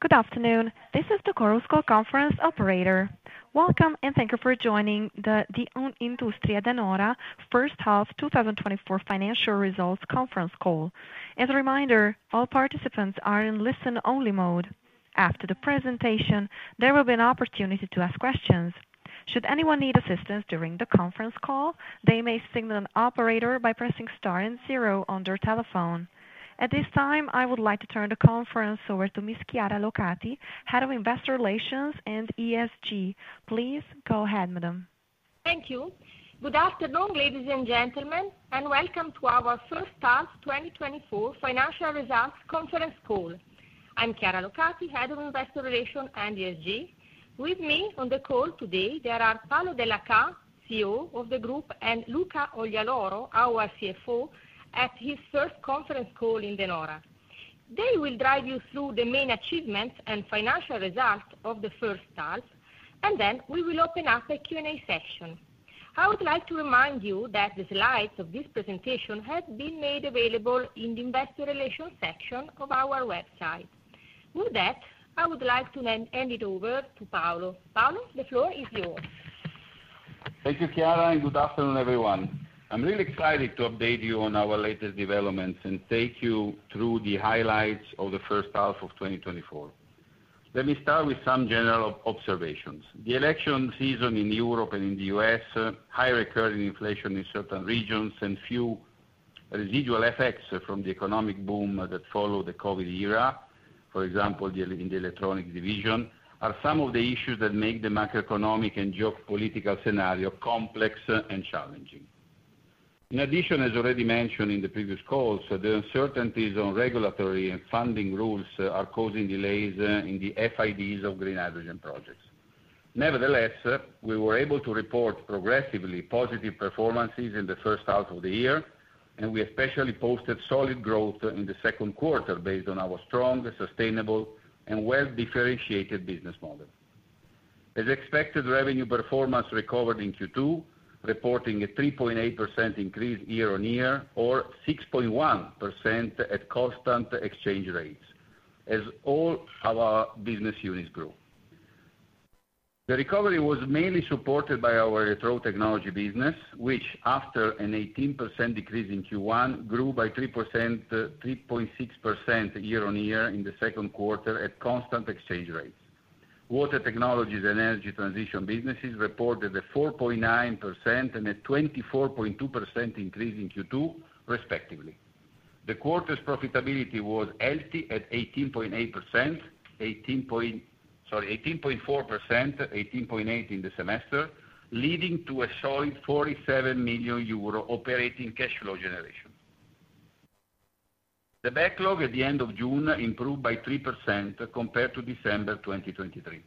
Good afternoon. This is the Chorus Call Conference Operator. Welcome, and thank you for joining the Industrie De Nora First Half 2024 Financial Results Conference Call. As a reminder, all participants are in listen-only mode. After the presentation, there will be an opportunity to ask questions. Should anyone need assistance during the conference call, they may signal an operator by pressing star and zero on their telephone. At this time, I would like to turn the conference over to Ms. Chiara Locati, Head of Investor Relations and ESG. Please go ahead, madam. Thank you. Good afternoon, ladies and gentlemen, and welcome to our first half 2024 financial results conference call. I'm Chiara Locati, Head of Investor Relations and ESG. With me on the call today, there are Paolo Dellachà, CEO of the group, and Luca Oglialoro, our CFO, at his first conference call in De Nora. They will drive you through the main achievements and financial results of the first half, and then we will open up a Q&A session. I would like to remind you that the slides of this presentation have been made available in the investor relations section of our website. With that, I would like to then hand it over to Paolo. Paolo, the floor is yours. Thank you, Chiara, and good afternoon, everyone. I'm really excited to update you on our latest developments and take you through the highlights of the first half of 2024. Let me start with some general observations. The election season in Europe and in the U.S., high recurring inflation in certain regions, and few residual effects from the economic boom that followed the COVID era, for example, in the electronic division, are some of the issues that make the macroeconomic and geopolitical scenario complex and challenging. In addition, as already mentioned in the previous calls, the uncertainties on regulatory and funding rules are causing delays in the FIDs of green hydrogen projects. Nevertheless, we were able to report progressively positive performances in the first half of the year, and we especially posted solid growth in the second quarter based on our strong, sustainable, and well-differentiated business model. As expected, revenue performance recovered in Q2, reporting a 3.8% increase year-on-year, or 6.1% at constant exchange rates, as all our business units grew. The recovery was mainly supported by our electrode technology business, which after an 18% decrease in Q1, grew by 3%, 3.6% year-on-year in the second quarter at constant exchange rates. Water technologies and energy transition businesses reported a 4.9% and a 24.2% increase in Q2, respectively. The quarter's profitability was healthy at 18.8%. Sorry, 18.4%, 18.8% in the semester, leading to a solid 47 million euro operating cash flow generation. The backlog at the end of June improved by 3% compared to December 2023.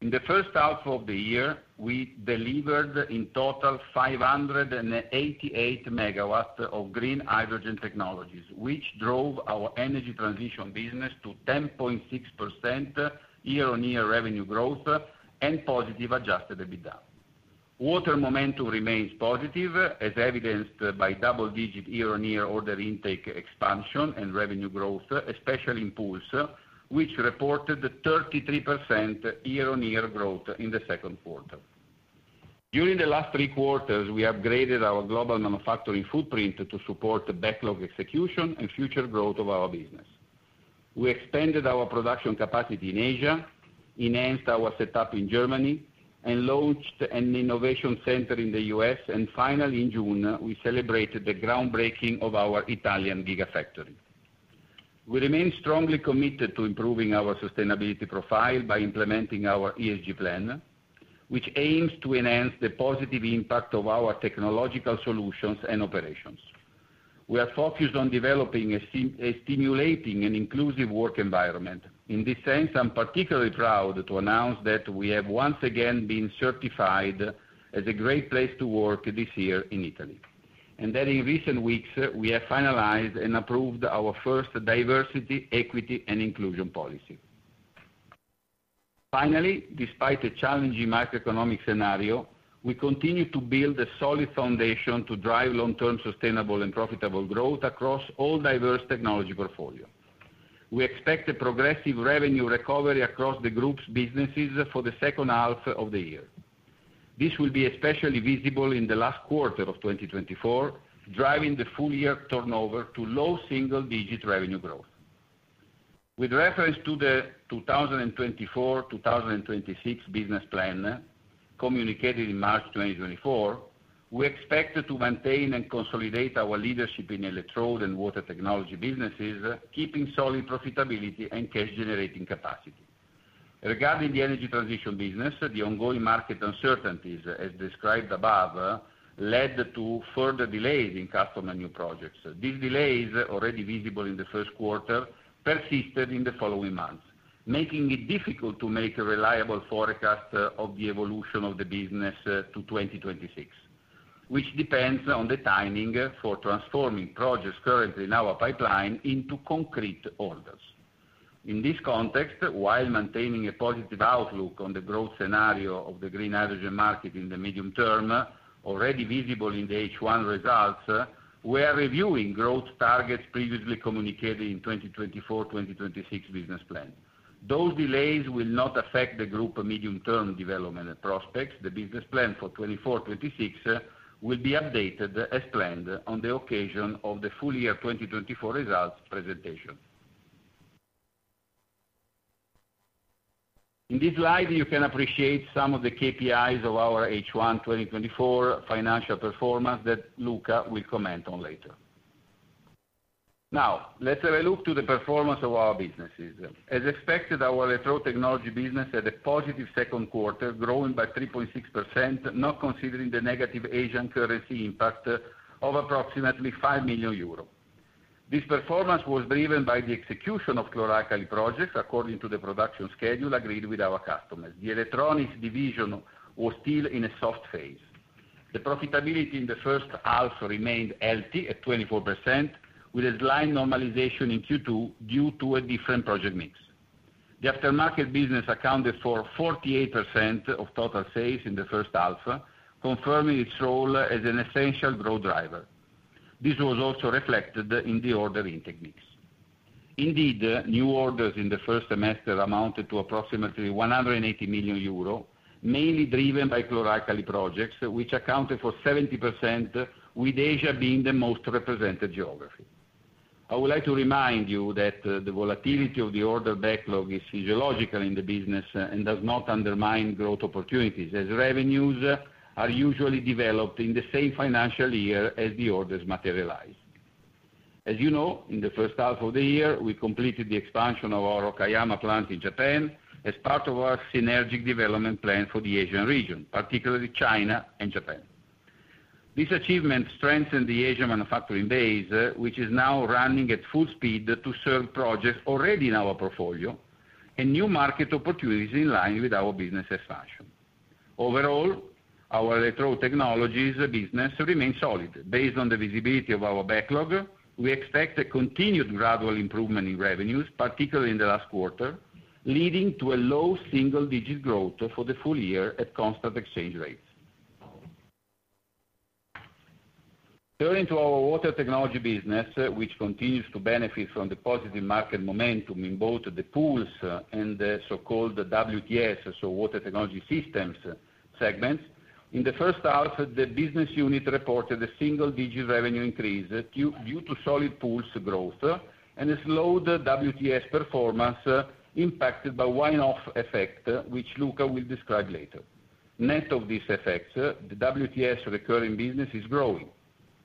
In the first half of the year, we delivered in total 588 megawatts of green hydrogen technologies, which drove our energy transition business to 10.6% year-on-year revenue growth and positive adjusted EBITDA. Water momentum remains positive, as evidenced by double-digit year-on-year order intake, expansion, and revenue growth, especially in Pools, which reported 33% year-on-year growth in the second quarter. During the last three quarters, we upgraded our global manufacturing footprint to support the backlog execution and future growth of our business. We expanded our production capacity in Asia, enhanced our setup in Germany, and launched an innovation center in the U.S., and finally, in June, we celebrated the groundbreaking of our Italian Gigafactory. We remain strongly committed to improving our sustainability profile by implementing our ESG plan, which aims to enhance the positive impact of our technological solutions and operations. We are focused on developing a stimulating and inclusive work environment. In this sense, I'm particularly proud to announce that we have once again been certified as a great place to work this year in Italy, and that in recent weeks, we have finalized and approved our first diversity, equity, and inclusion policy. Finally, despite the challenging macroeconomic scenario, we continue to build a solid foundation to drive long-term sustainable and profitable growth across all diverse technology portfolio. We expect a progressive revenue recovery across the group's businesses for the second half of the year. This will be especially visible in the last quarter of 2024, driving the full year turnover to low single-digit revenue growth. With reference to the 2024 to 2026 business plan, communicated in March 2024, we expect to maintain and consolidate our leadership in electrode and water technology businesses, keeping solid profitability and cash-generating capacity. Regarding the energy transition business, the ongoing market uncertainties, as described above, led to further delays in custom and new projects. These delays, already visible in the first quarter, persisted in the following months, making it difficult to make a reliable forecast of the evolution of the business to 2026, which depends on the timing for transforming projects currently in our pipeline into concrete orders. In this context, while maintaining a positive outlook on the growth scenario of the green hydrogen market in the medium term, already visible in the H1 results, we are reviewing growth targets previously communicated in 2024, 2026 business plan.... Those delays will not affect the group medium-term development and prospects. The business plan for 2024-2026 will be updated as planned on the occasion of the full year 2024 results presentation. In this slide, you can appreciate some of the KPIs of our H1 2024 financial performance that Luca will comment on later. Now, let's have a look to the performance of our businesses. As expected, our Electrode Technology business had a positive second quarter, growing by 3.6%, not considering the negative Asian currency impact of approximately 5 million euros. This performance was driven by the execution of chloralkali projects according to the production schedule agreed with our customers. The electronics division was still in a soft phase. The profitability in the first half remained healthy at 24%, with a slight normalization in Q2 due to a different project mix. The aftermarket business accounted for 48% of total sales in the first half, confirming its role as an essential growth driver. This was also reflected in the ordering techniques. Indeed, new orders in the first semester amounted to approximately 180 million euro, mainly driven by chloralkali projects, which accounted for 70%, with Asia being the most represented geography. I would like to remind you that the volatility of the order backlog is physiological in the business and does not undermine growth opportunities, as revenues are usually developed in the same financial year as the orders materialize. As you know, in the first half of the year, we completed the expansion of our Okayama plant in Japan as part of our synergic development plan for the Asian region, particularly China and Japan. This achievement strengthened the Asian manufacturing base, which is now running at full speed to serve projects already in our portfolio and new market opportunities in line with our business expansion. Overall, our electro technologies business remains solid. Based on the visibility of our backlog, we expect a continued gradual improvement in revenues, particularly in the last quarter, leading to a low single-digit growth for the full year at constant exchange rates. Turning to our water technology business, which continues to benefit from the positive market momentum in both the pools and the so-called WTS, so Water Technology Systems segments. In the first half, the business unit reported a single-digit revenue increase due to solid pools growth and a slowed WTS performance, impacted by one-off effect, which Luca will describe later. Net of these effects, the WTS recurring business is growing.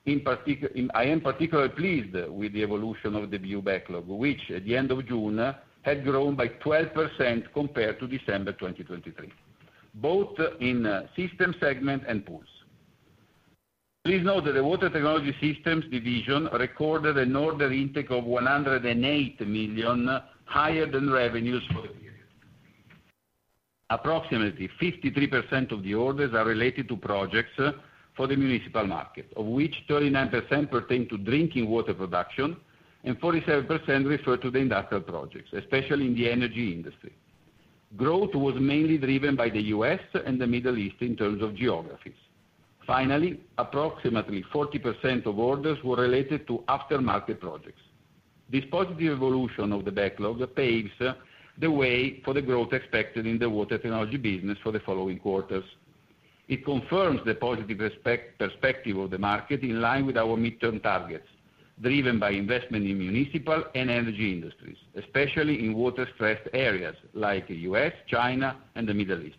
I am particularly pleased with the evolution of the new backlog, which at the end of June, had grown by 12% compared to December 2023, both in system segment and pools. Please note that the Water Technology Systems division recorded an order intake of 108 million, higher than revenues for the period. Approximately 53% of the orders are related to projects for the municipal market, of which 39% pertain to drinking water production, and 47% refer to the industrial projects, especially in the energy industry. Growth was mainly driven by the U.S. and the Middle East in terms of geographies. Finally, approximately 40% of orders were related to aftermarket projects. This positive evolution of the backlog paves the way for the growth expected in the water technology business for the following quarters. It confirms the positive perspective of the market, in line with our midterm targets, driven by investment in municipal and energy industries, especially in water-stressed areas like U.S., China, and the Middle East.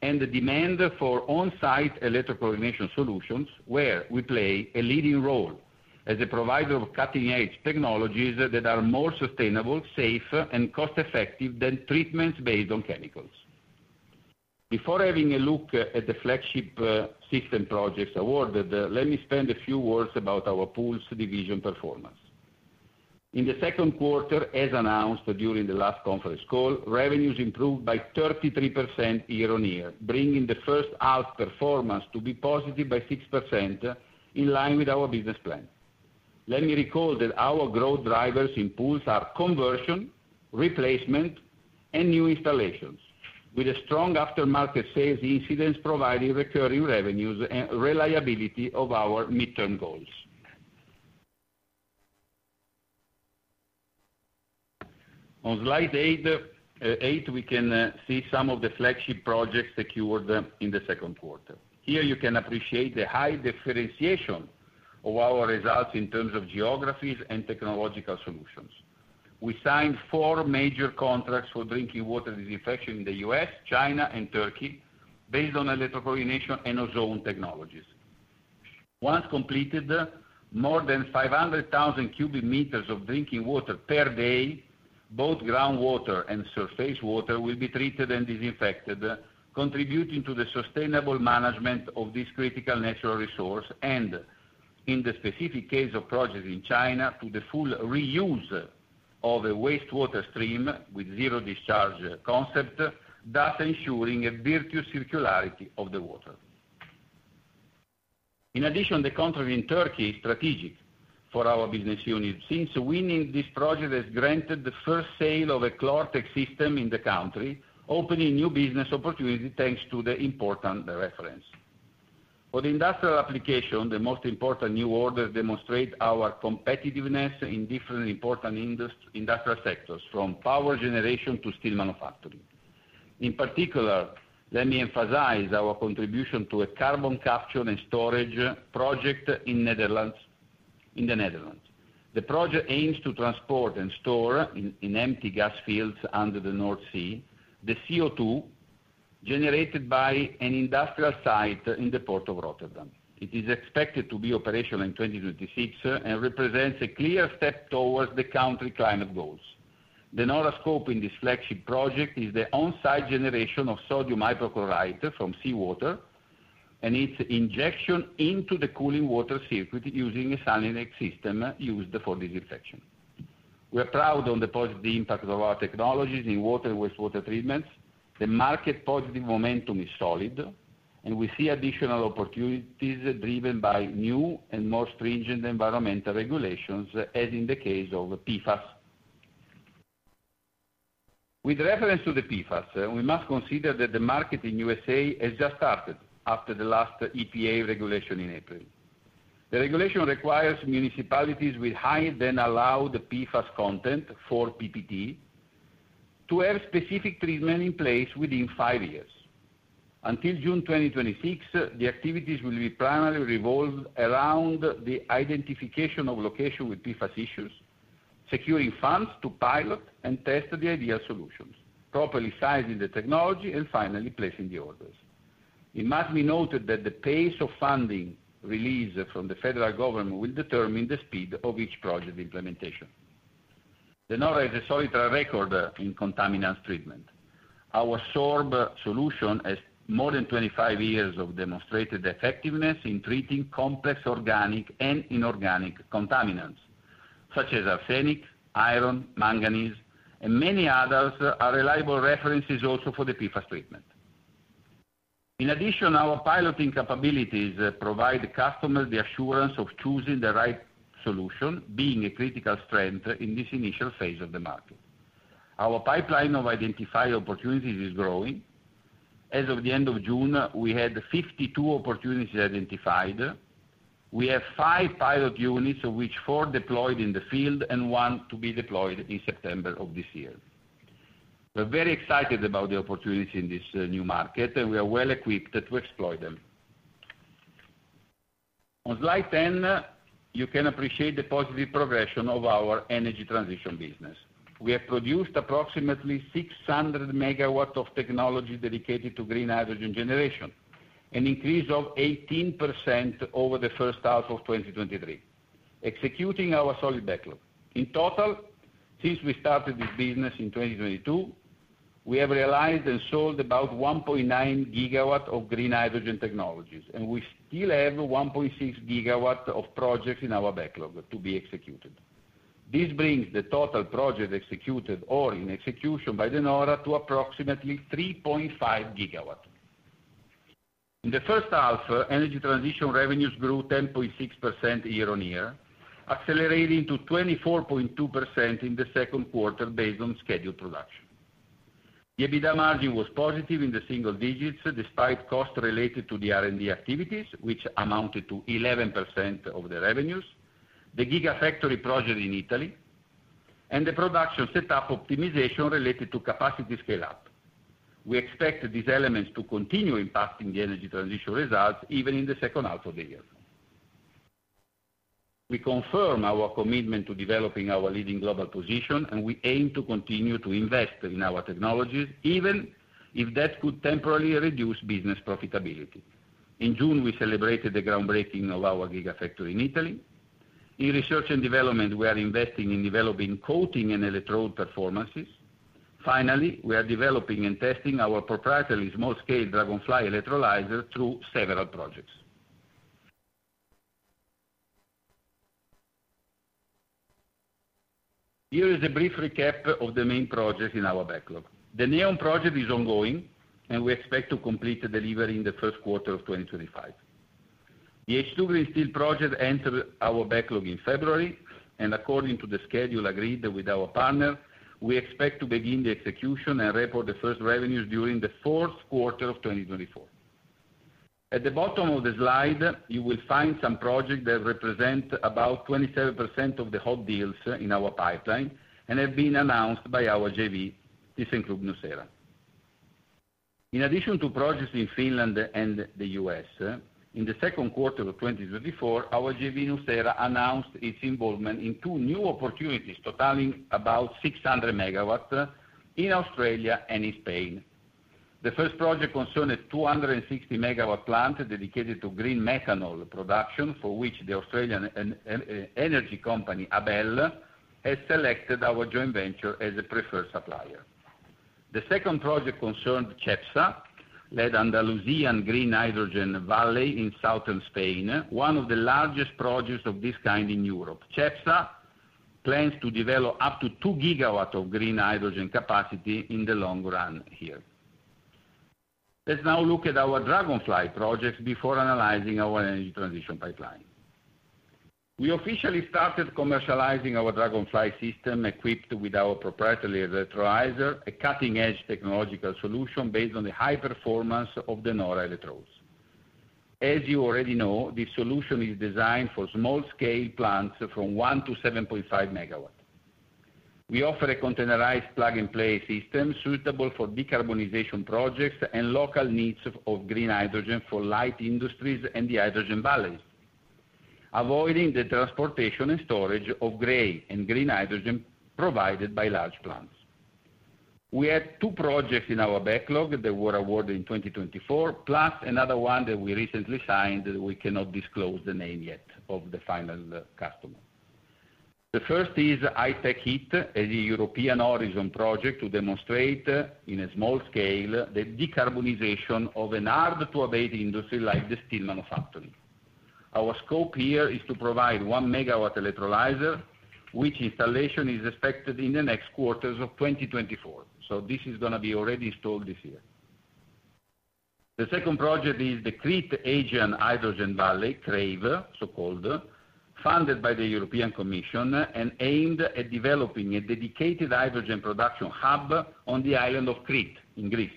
The demand for on-site electrochlorination solutions, where we play a leading role as a provider of cutting-edge technologies that are more sustainable, safe, and cost-effective than treatments based on chemicals. Before having a look at the flagship system projects awarded, let me spend a few words about our pools division performance. In the second quarter, as announced during the last conference call, revenues improved by 33% year-on-year, bringing the first half performance to be positive by 6%, in line with our business plan. Let me recall that our growth drivers in pools are conversion, replacement, and new installations, with a strong aftermarket sales incidence, providing recurring revenues and reliability of our midterm goals. On slide eight, we can see some of the flagship projects secured in the second quarter. Here you can appreciate the high differentiation of our results in terms of geographies and technological solutions. We signed four major contracts for drinking water disinfection in the U.S., China, and Turkey, based on electrochlorination and ozone technologies. Once completed, more than 500,000 cubic meters of drinking water per day, both groundwater and surface water, will be treated and disinfected, contributing to the sustainable management of this critical natural resource, and in the specific case of projects in China, to the full reuse of a wastewater stream with zero discharge concept, thus ensuring a virtuous circularity of the water. In addition, the country in Turkey is strategic for our business unit. Since winning this project has granted the first sale of a ClorTec system in the country, opening new business opportunity, thanks to the important reference. For the industrial application, the most important new orders demonstrate our competitiveness in different important industrial sectors, from power generation to steel manufacturing. In particular, let me emphasize our contribution to a carbon capture and storage project in the Netherlands, in the Netherlands. The project aims to transport and store, in, in empty gas fields under the North Sea, the CO2 generated by an industrial site in the port of Rotterdam. It is expected to be operational in 2026, and represents a clear step towards the country's climate goals. De Nora scope in this flagship project is the on-site generation of sodium hypochlorite from seawater, and its injection into the cooling water circuit using a SANILEC system used for disinfection. We are proud on the positive impact of our technologies in water and wastewater treatments. The market positive momentum is solid, and we see additional opportunities driven by new and more stringent environmental regulations, as in the case of PFAS. With reference to the PFAS, we must consider that the market in USA has just started after the last EPA regulation in April. The regulation requires municipalities with higher than allowed PFAS content, 4 PPT, to have specific treatment in place within 5 years. Until June 2026, the activities will be primarily revolved around the identification of location with PFAS issues, securing funds to pilot and test the ideal solutions, properly sizing the technology, and finally, placing the orders. It must be noted that the pace of funding released from the federal government will determine the speed of each project implementation. De Nora has a solid track record in contaminants treatment. Our SORB solution has more than 25 years of demonstrated effectiveness in treating complex organic and inorganic contaminants, such as arsenic, iron, manganese, and many others, are reliable references also for the PFAS treatment. In addition, our piloting capabilities provide the customer the assurance of choosing the right solution, being a critical strength in this initial phase of the market. Our pipeline of identified opportunities is growing. As of the end of June, we had 52 opportunities identified. We have five pilot units, of which four deployed in the field and one to be deployed in September of this year. We're very excited about the opportunities in this new market, and we are well equipped to exploit them. On slide ten, you can appreciate the positive progression of our energy transition business. We have produced approximately 600 MW of technology dedicated to green hydrogen generation, an increase of 18% over the first half of 2023, executing our solid backlog. In total, since we started this business in 2022, we have realized and sold about 1.9 GW of green hydrogen technologies, and we still have 1.6 GW of projects in our backlog to be executed. This brings the total project executed or in execution by De Nora to approximately 3.5 GW. In the first half, energy transition revenues grew 10.6% year-on-year, accelerating to 24.2% in the second quarter, based on scheduled production. EBITDA margin was positive in the single digits, despite costs related to the R&D activities, which amounted to 11% of the revenues, the Gigafactory project in Italy, and the production setup optimization related to capacity scale-up. We expect these elements to continue impacting the energy transition results, even in the second half of the year. We confirm our commitment to developing our leading global position, and we aim to continue to invest in our technologies, even if that could temporarily reduce business profitability. In June, we celebrated the groundbreaking of our Gigafactory in Italy. In research and development, we are investing in developing coating and electrode performances. Finally, we are developing and testing our proprietary small-scale Dragonfly electrolyzer through several projects. Here is a brief recap of the main projects in our backlog. The Neom project is ongoing, and we expect to complete the delivery in the first quarter of 2025. The H2 Green Steel project entered our backlog in February, and according to the schedule agreed with our partner, we expect to begin the execution and report the first revenues during the fourth quarter of 2024. At the bottom of the slide, you will find some projects that represent about 27% of the hot deals in our pipeline and have been announced by our JV, Thyssenkrupp Nucera. In addition to projects in Finland and the US, in the second quarter of 2024, our JV, Thyssenkrupp Nucera, announced its involvement in two new opportunities, totaling about 600 MW in Australia and in Spain. The first project concerned a 260-megawatt plant dedicated to green methanol production, for which the Australian energy company, ABEL, has selected our joint venture as a preferred supplier. The second project concerned Cepsa-led Andalusian Green Hydrogen Valley in southern Spain, one of the largest projects of this kind in Europe. Cepsa plans to develop up to 2 gigawatts of green hydrogen capacity in the long run here. Let's now look at our Dragonfly project before analyzing our energy transition pipeline. We officially started commercializing our Dragonfly system, equipped with our proprietary electrolyzer, a cutting-edge technological solution based on the high performance of the De Nora electrodes. As you already know, this solution is designed for small-scale plants from 1 to 7.5 megawatts. We offer a containerized plug-and-play system suitable for decarbonization projects and local needs of green hydrogen for light industries and the hydrogen valleys, avoiding the transportation and storage of gray and green hydrogen provided by large plants. We had two projects in our backlog that were awarded in 2024, plus another one that we recently signed, that we cannot disclose the name yet of the final customer. The first is HyTechHeat, a European Horizon project, to demonstrate in a small scale, the decarbonization of a hard-to-abate industry, like the steel manufacturing. Our scope here is to provide one-megawatt electrolyzer, which installation is expected in the next quarters of 2024. So this is going to be already installed this year. The second project is the Crete Aegean Hydrogen Valley, CRAVE, so-called, funded by the European Commission and aimed at developing a dedicated hydrogen production hub on the island of Crete in Greece.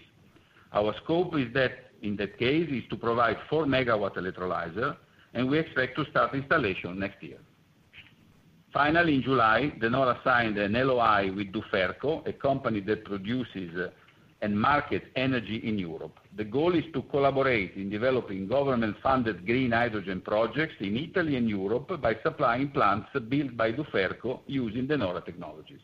Our scope is that, in that case, is to provide 4-megawatt electrolyzer, and we expect to start installation next year. Finally, in July, De Nora signed an LOI with Duferco, a company that produces, and markets energy in Europe. The goal is to collaborate in developing government-funded green hydrogen projects in Italy and Europe by supplying plants built by Duferco using De Nora technologies.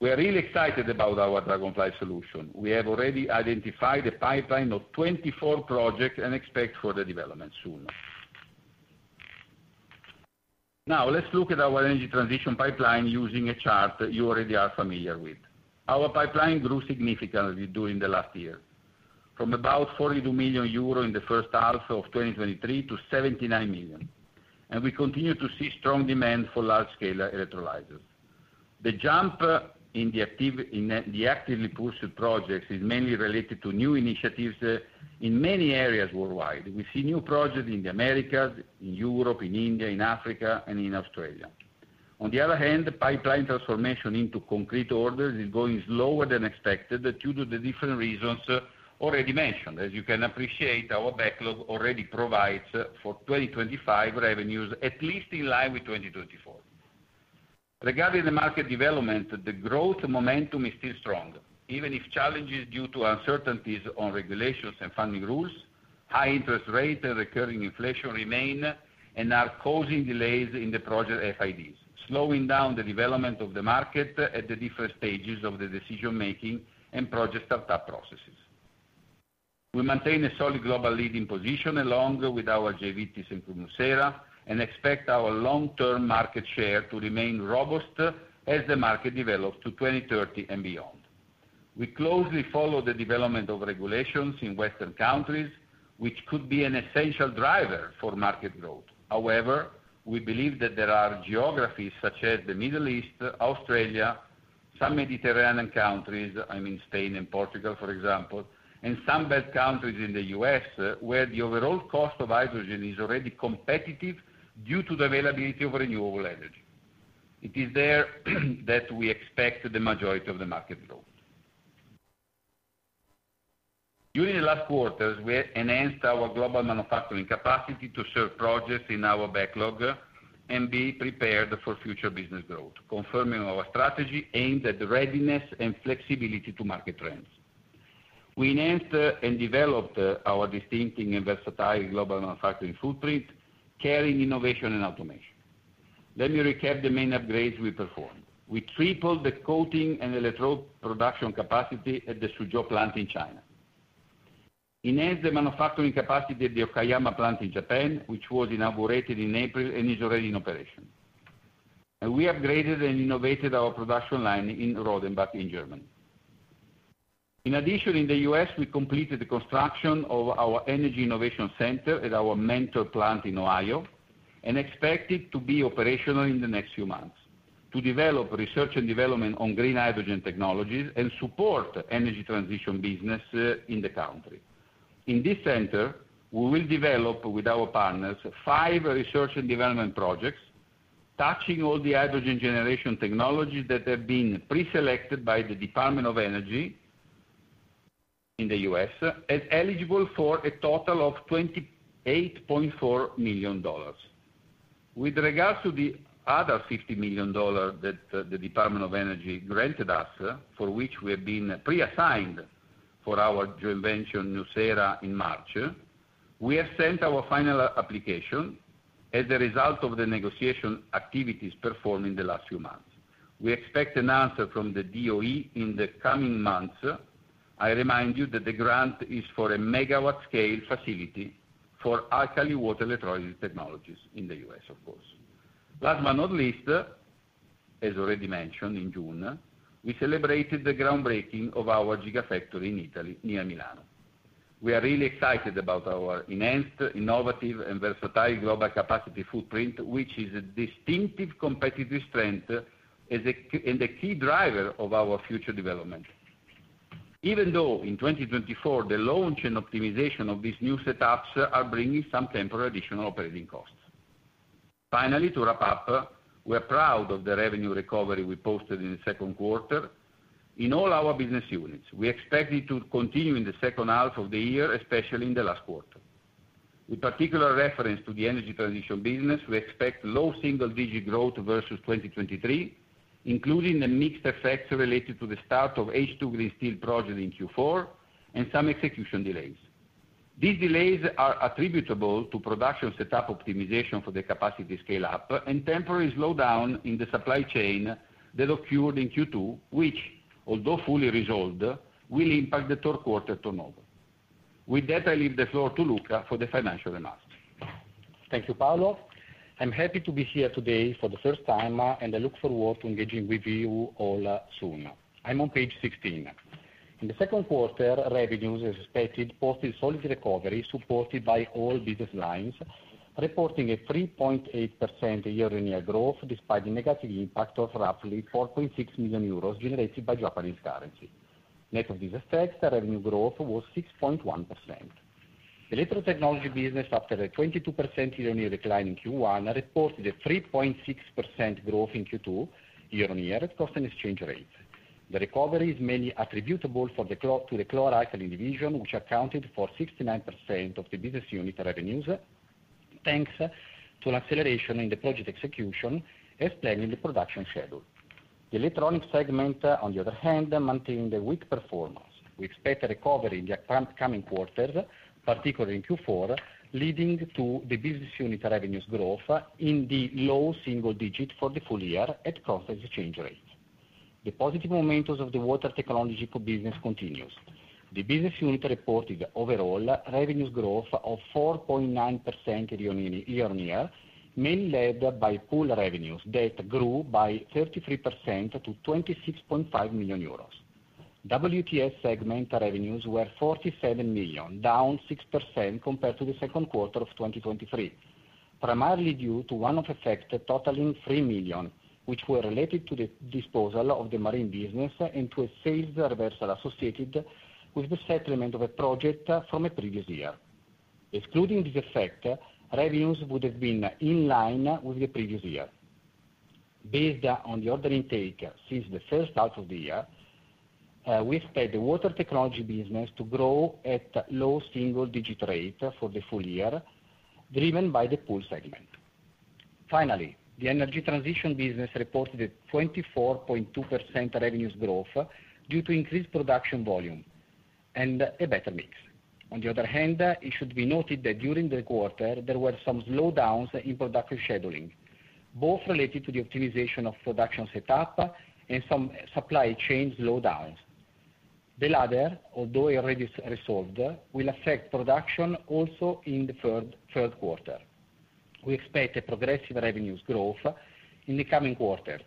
We are really excited about our Dragonfly solution. We have already identified a pipeline of 24 projects and expect further development soon. Now, let's look at our energy transition pipeline using a chart that you already are familiar with. Our pipeline grew significantly during the last year, from about 42 million euro in the first half of 2023 to 79 million, and we continue to see strong demand for large-scale electrolyzers. The jump in the actively pushed projects is mainly related to new initiatives in many areas worldwide. We see new projects in the Americas, in Europe, in India, in Africa, and in Australia. On the other hand, the pipeline transformation into concrete orders is going slower than expected due to the different reasons already mentioned. As you can appreciate, our backlog already provides for 2025 revenues, at least in line with 2024. Regarding the market development, the growth momentum is still strong, even if challenges due to uncertainties on regulations and funding rules, high interest rates, and recurring inflation remain and are causing delays in the project FIDs, slowing down the development of the market at the different stages of the decision-making and project startup processes. We maintain a solid global leading position, along with our JVs and Thyssenkrupp Nucera, and expect our long-term market share to remain robust as the market develops to 2030 and beyond. We closely follow the development of regulations in Western countries, which could be an essential driver for market growth. However, we believe that there are geographies such as the Middle East, Australia, some Mediterranean countries, I mean, Spain and Portugal, for example, and some belt countries in the U.S., where the overall cost of hydrogen is already competitive due to the availability of renewable energy. It is there that we expect the majority of the market growth. During the last quarters, we enhanced our global manufacturing capacity to serve projects in our backlog and be prepared for future business growth, confirming our strategy aimed at the readiness and flexibility to market trends. We enhanced and developed our distinctive and versatile global manufacturing footprint, carrying innovation and automation. Let me recap the main upgrades we performed. We tripled the coating and electrode production capacity at the Suzhou plant in China, enhanced the manufacturing capacity of the Okayama plant in Japan, which was inaugurated in April and is already in operation. We upgraded and innovated our production line in Rodenbach, in Germany. In addition, in the U.S., we completed the construction of our energy innovation center at our Mentor plant in Ohio, and expect it to be operational in the next few months, to develop research and development on green hydrogen technologies and support energy transition business, in the country. In this center, we will develop, with our partners, five research and development projects, touching all the hydrogen generation technologies that have been preselected by the Department of Energy in the U.S., and eligible for a total of $28.4 million. With regards to the other $50 million that the Department of Energy granted us, for which we have been pre-assigned for our joint venture, Nucera, in March, we have sent our final application as a result of the negotiation activities performed in the last few months. We expect an answer from the DOE in the coming months. I remind you that the grant is for a megawatt-scale facility for alkali water electrolysis technologies in the U.S., of course. Last but not least, as already mentioned, in June, we celebrated the groundbreaking of our Gigafactory in Italy, near Milan. We are really excited about our enhanced, innovative, and versatile global capacity footprint, which is a distinctive competitive strength and a key driver of our future development.... even though in 2024, the launch and optimization of these new setups are bringing some temporary additional operating costs. Finally, to wrap up, we're proud of the revenue recovery we posted in the second quarter. In all our business units, we expect it to continue in the second half of the year, especially in the last quarter. With particular reference to the energy transition business, we expect low single-digit growth versus 2023, including the mixed effects related to the start of H2 Green Steel project in Q4, and some execution delays. These delays are attributable to production setup optimization for the capacity scale-up, and temporary slowdown in the supply chain that occurred in Q2, which, although fully resolved, will impact the third quarter turnover. With that, I leave the floor to Luca for the financial remarks. Thank you, Paolo. I'm happy to be here today for the first time, and I look forward to engaging with you all soon. I'm on page 16. In the second quarter, revenues, as expected, posted solid recovery, supported by all business lines, reporting a 3.8% year-on-year growth, despite the negative impact of roughly 4.6 million euros generated by Japanese currency. Net of this effect, the revenue growth was 6.1%. The Electrode Technology business, after a 22% year-on-year decline in Q1, reported a 3.6% growth in Q2, year-on-year at constant exchange rate. The recovery is mainly attributable to the chloralkali division, which accounted for 69% of the business unit revenues, thanks to an acceleration in the project execution, as planned in the production schedule. The electronic segment, on the other hand, maintained a weak performance. We expect a recovery in the upcoming quarters, particularly in Q4, leading to the business unit revenues growth in the low single digit for the full year at constant exchange rate. The positive momentums of the water technology business continues. The business unit reported overall revenues growth of 4.9% year-on-year, mainly led by pool revenues that grew by 33% to 26.5 million euros. WTS segment revenues were 47 million, down 6% compared to the second quarter of 2023, primarily due to one-off effects totaling 3 million, which were related to the disposal of the marine business and to a sales reversal associated with the settlement of a project from a previous year. Excluding this effect, revenues would have been in line with the previous year. Based on the order intake since the first half of the year, we expect the water technology business to grow at low single-digit rate for the full year, driven by the pool segment. Finally, the energy transition business reported a 24.2% revenues growth due to increased production volume and a better mix. On the other hand, it should be noted that during the quarter, there were some slowdowns in productive scheduling, both related to the optimization of production setup and some supply chain slowdowns. The latter, although already resolved, will affect production also in the third quarter. We expect a progressive revenues growth in the coming quarters,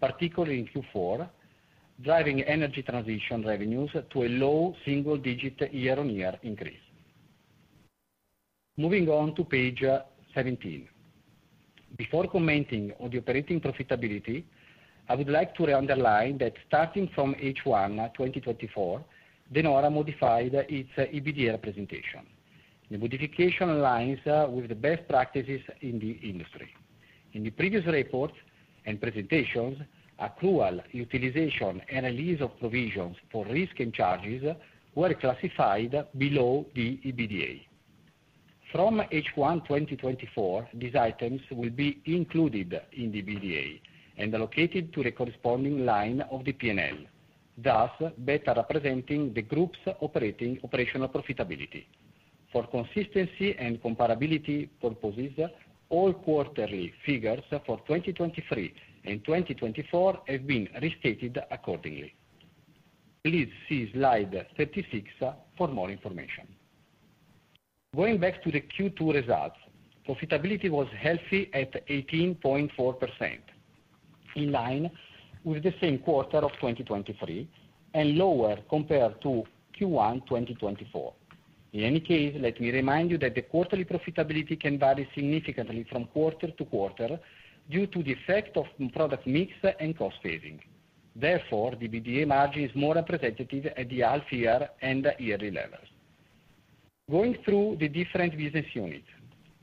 particularly in Q4, driving energy transition revenues to a low single digit year-on-year increase. Moving on to page 17. Before commenting on the operating profitability, I would like to underline that starting from H1 2024, De Nora modified its EBITDA presentation. The modification aligns with the best practices in the industry. In the previous reports and presentations, accrual, utilization, and release of provisions for risk and charges were classified below the EBITDA. From H1 2024, these items will be included in the EBITDA and allocated to the corresponding line of the P&L, thus better representing the group's operational profitability. For consistency and comparability purposes, all quarterly figures for 2023 and 2024 have been restated accordingly. Please see slide 36 for more information. Going back to the Q2 results, profitability was healthy at 18.4%, in line with the same quarter of 2023 and lower compared to Q1 2024. In any case, let me remind you that the quarterly profitability can vary significantly from quarter to quarter due to the effect of product mix and cost saving. Therefore, the EBITDA margin is more representative at the half year and yearly levels. Going through the different business units,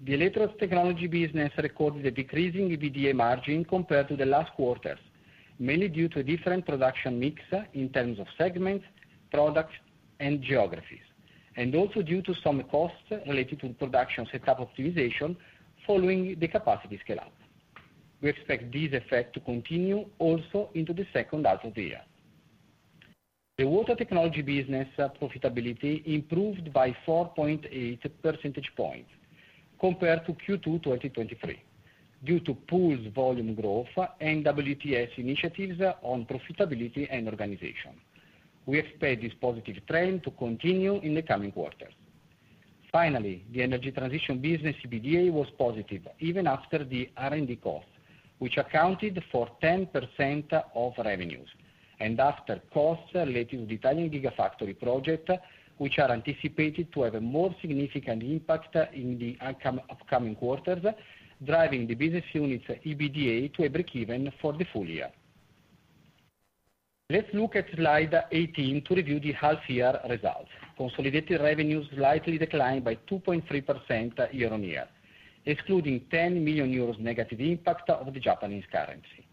the Electrode Technology business recorded a decreasing EBITDA margin compared to the last quarters, mainly due to a different production mix in terms of segments, products, and geographies, and also due to some costs related to production setup optimization following the capacity scale-up. We expect this effect to continue also into the second half of the year. The water technology business profitability improved by 4.8 percentage points compared to Q2 2023, due to pools volume growth and WTS initiatives on profitability and organization. We expect this positive trend to continue in the coming quarters. Finally, the energy transition business EBITDA was positive, even after the R&D cost, which accounted for 10% of revenues, and after costs related to the Italian Gigafactory project, which are anticipated to have a more significant impact in the upcoming quarters, driving the business unit's EBITDA to a break even for the full year. Let's look at slide 18 to review the half year results. Consolidated revenues slightly declined by 2.3% year-on-year, excluding 10 million euros negative impact of the Japanese currency.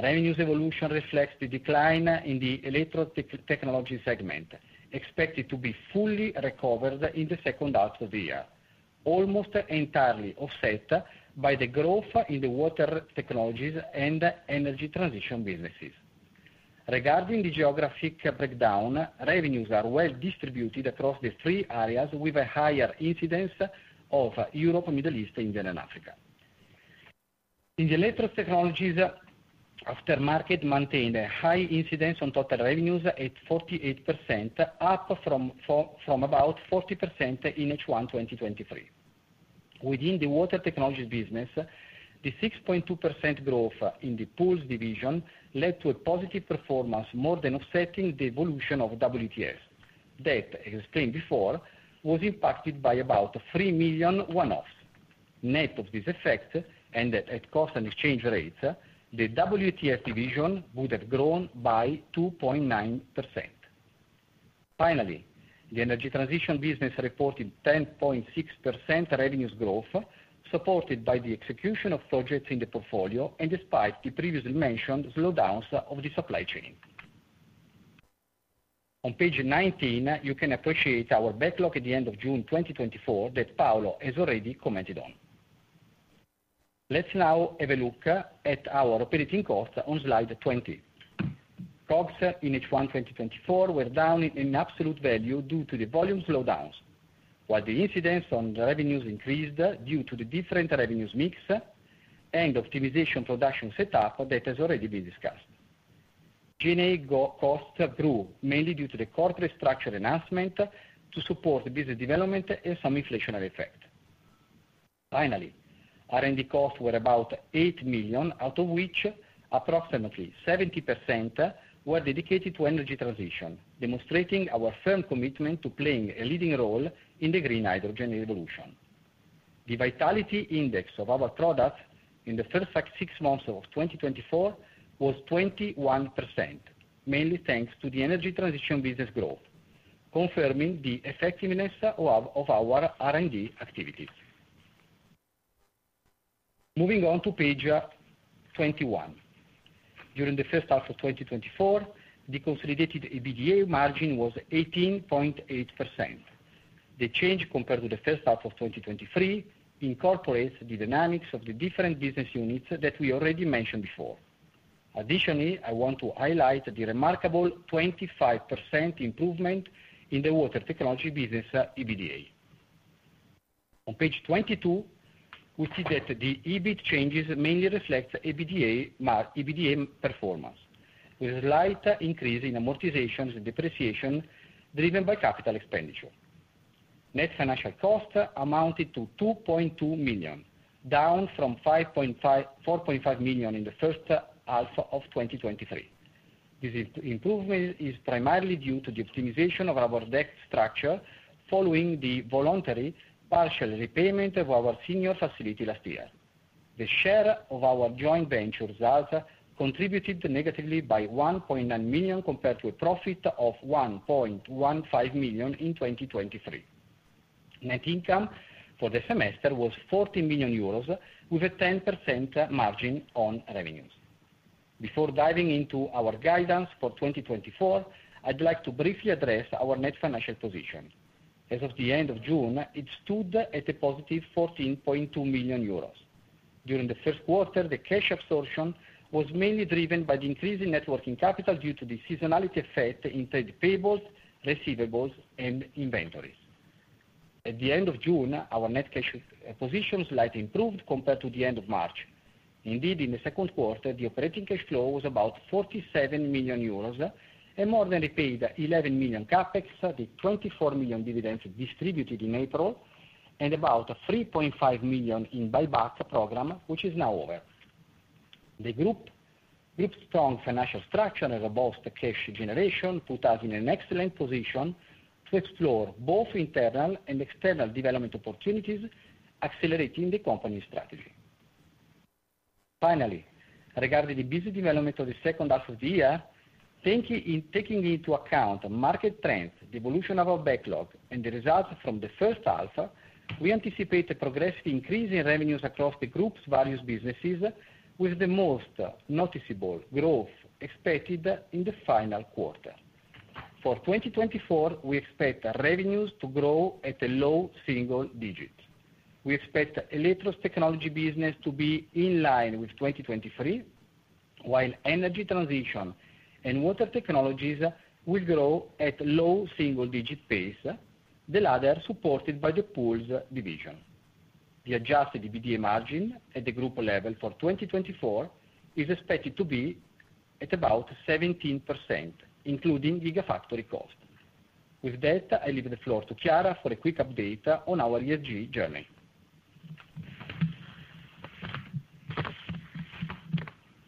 Revenues evolution reflects the decline in the electrotechnology segment, expected to be fully recovered in the second half of the year, almost entirely offset by the growth in the water technologies and energy transition businesses. Regarding the geographic breakdown, revenues are well distributed across the three areas, with a higher incidence of Europe, Middle East, India, and Africa. In the electro technologies, aftermarket maintained a high incidence on total revenues at 48%, up from about 40% in H1 2023. Within the water technology business, the 6.2% growth in the pools division led to a positive performance, more than offsetting the evolution of WTS. That, as explained before, was impacted by about 3 million one-offs. Net of this effect, and at cost and exchange rates, the WTS division would have grown by 2.9%. Finally, the energy transition business reported 10.6% revenues growth, supported by the execution of projects in the portfolio and despite the previously mentioned slowdowns of the supply chain. On page 19, you can appreciate our backlog at the end of June 2024, that Paolo has already commented on. Let's now have a look at our operating costs on slide 20. COGS in H1 2024 were down in absolute value due to the volume slowdowns, while the incidence on the revenues increased due to the different revenues mix and optimization production setup that has already been discussed. G&A costs grew, mainly due to the corporate structure enhancement to support the business development and some inflationary effect. Finally, R&D costs were about 8 million, out of which approximately 70% were dedicated to energy transition, demonstrating our firm commitment to playing a leading role in the green hydrogen revolution. The vitality index of our products in the first six months of 2024 was 21%, mainly thanks to the energy transition business growth, confirming the effectiveness of our R&D activities. Moving on to page 21. During the first half of 2024, the consolidated EBITDA margin was 18.8%. The change compared to the first half of 2023 incorporates the dynamics of the different business units that we already mentioned before. Additionally, I want to highlight the remarkable 25% improvement in the water technology business EBITDA. On page 22, we see that the EBIT changes mainly reflect EBITDA performance, with a slight increase in amortizations and depreciation, driven by capital expenditure. Net financial costs amounted to 2.2 million, down from 4.5 million in the first half of 2023. This improvement is primarily due to the optimization of our debt structure, following the voluntary partial repayment of our senior facility last year. The share of our joint venture thus contributed negatively by 1.9 million, compared to a profit of 1.15 million in 2023. Net income for the semester was 40 million euros, with a 10% margin on revenues. Before diving into our guidance for 2024, I'd like to briefly address our net financial position. As of the end of June, it stood at a positive 14.2 million euros. During the first quarter, the cash absorption was mainly driven by the increase in net working capital due to the seasonality effect in trade payables, receivables, and inventories. At the end of June, our net cash position slightly improved compared to the end of March. Indeed, in the second quarter, the operating cash flow was about 47 million euros and more than paid 11 million CapEx, the 24 million dividends distributed in April, and about 3.5 million in buyback program, which is now over. The group... group's strong financial structure and robust cash generation put us in an excellent position to explore both internal and external development opportunities, accelerating the company's strategy. Finally, regarding the business development of the second half of the year, taking into account market trends, the evolution of our backlog, and the results from the first half, we anticipate a progressive increase in revenues across the group's various businesses, with the most noticeable growth expected in the final quarter. For 2024, we expect revenues to grow at a low single digits. We expect Electrode Technology business to be in line with 2023, while energy transition and water technologies will grow at low single-digit pace, the latter supported by the pools division. The adjusted EBITDA margin at the group level for 2024 is expected to be at about 17%, including Gigafactory costs. With that, I leave the floor to Chiara for a quick update on our ESG journey.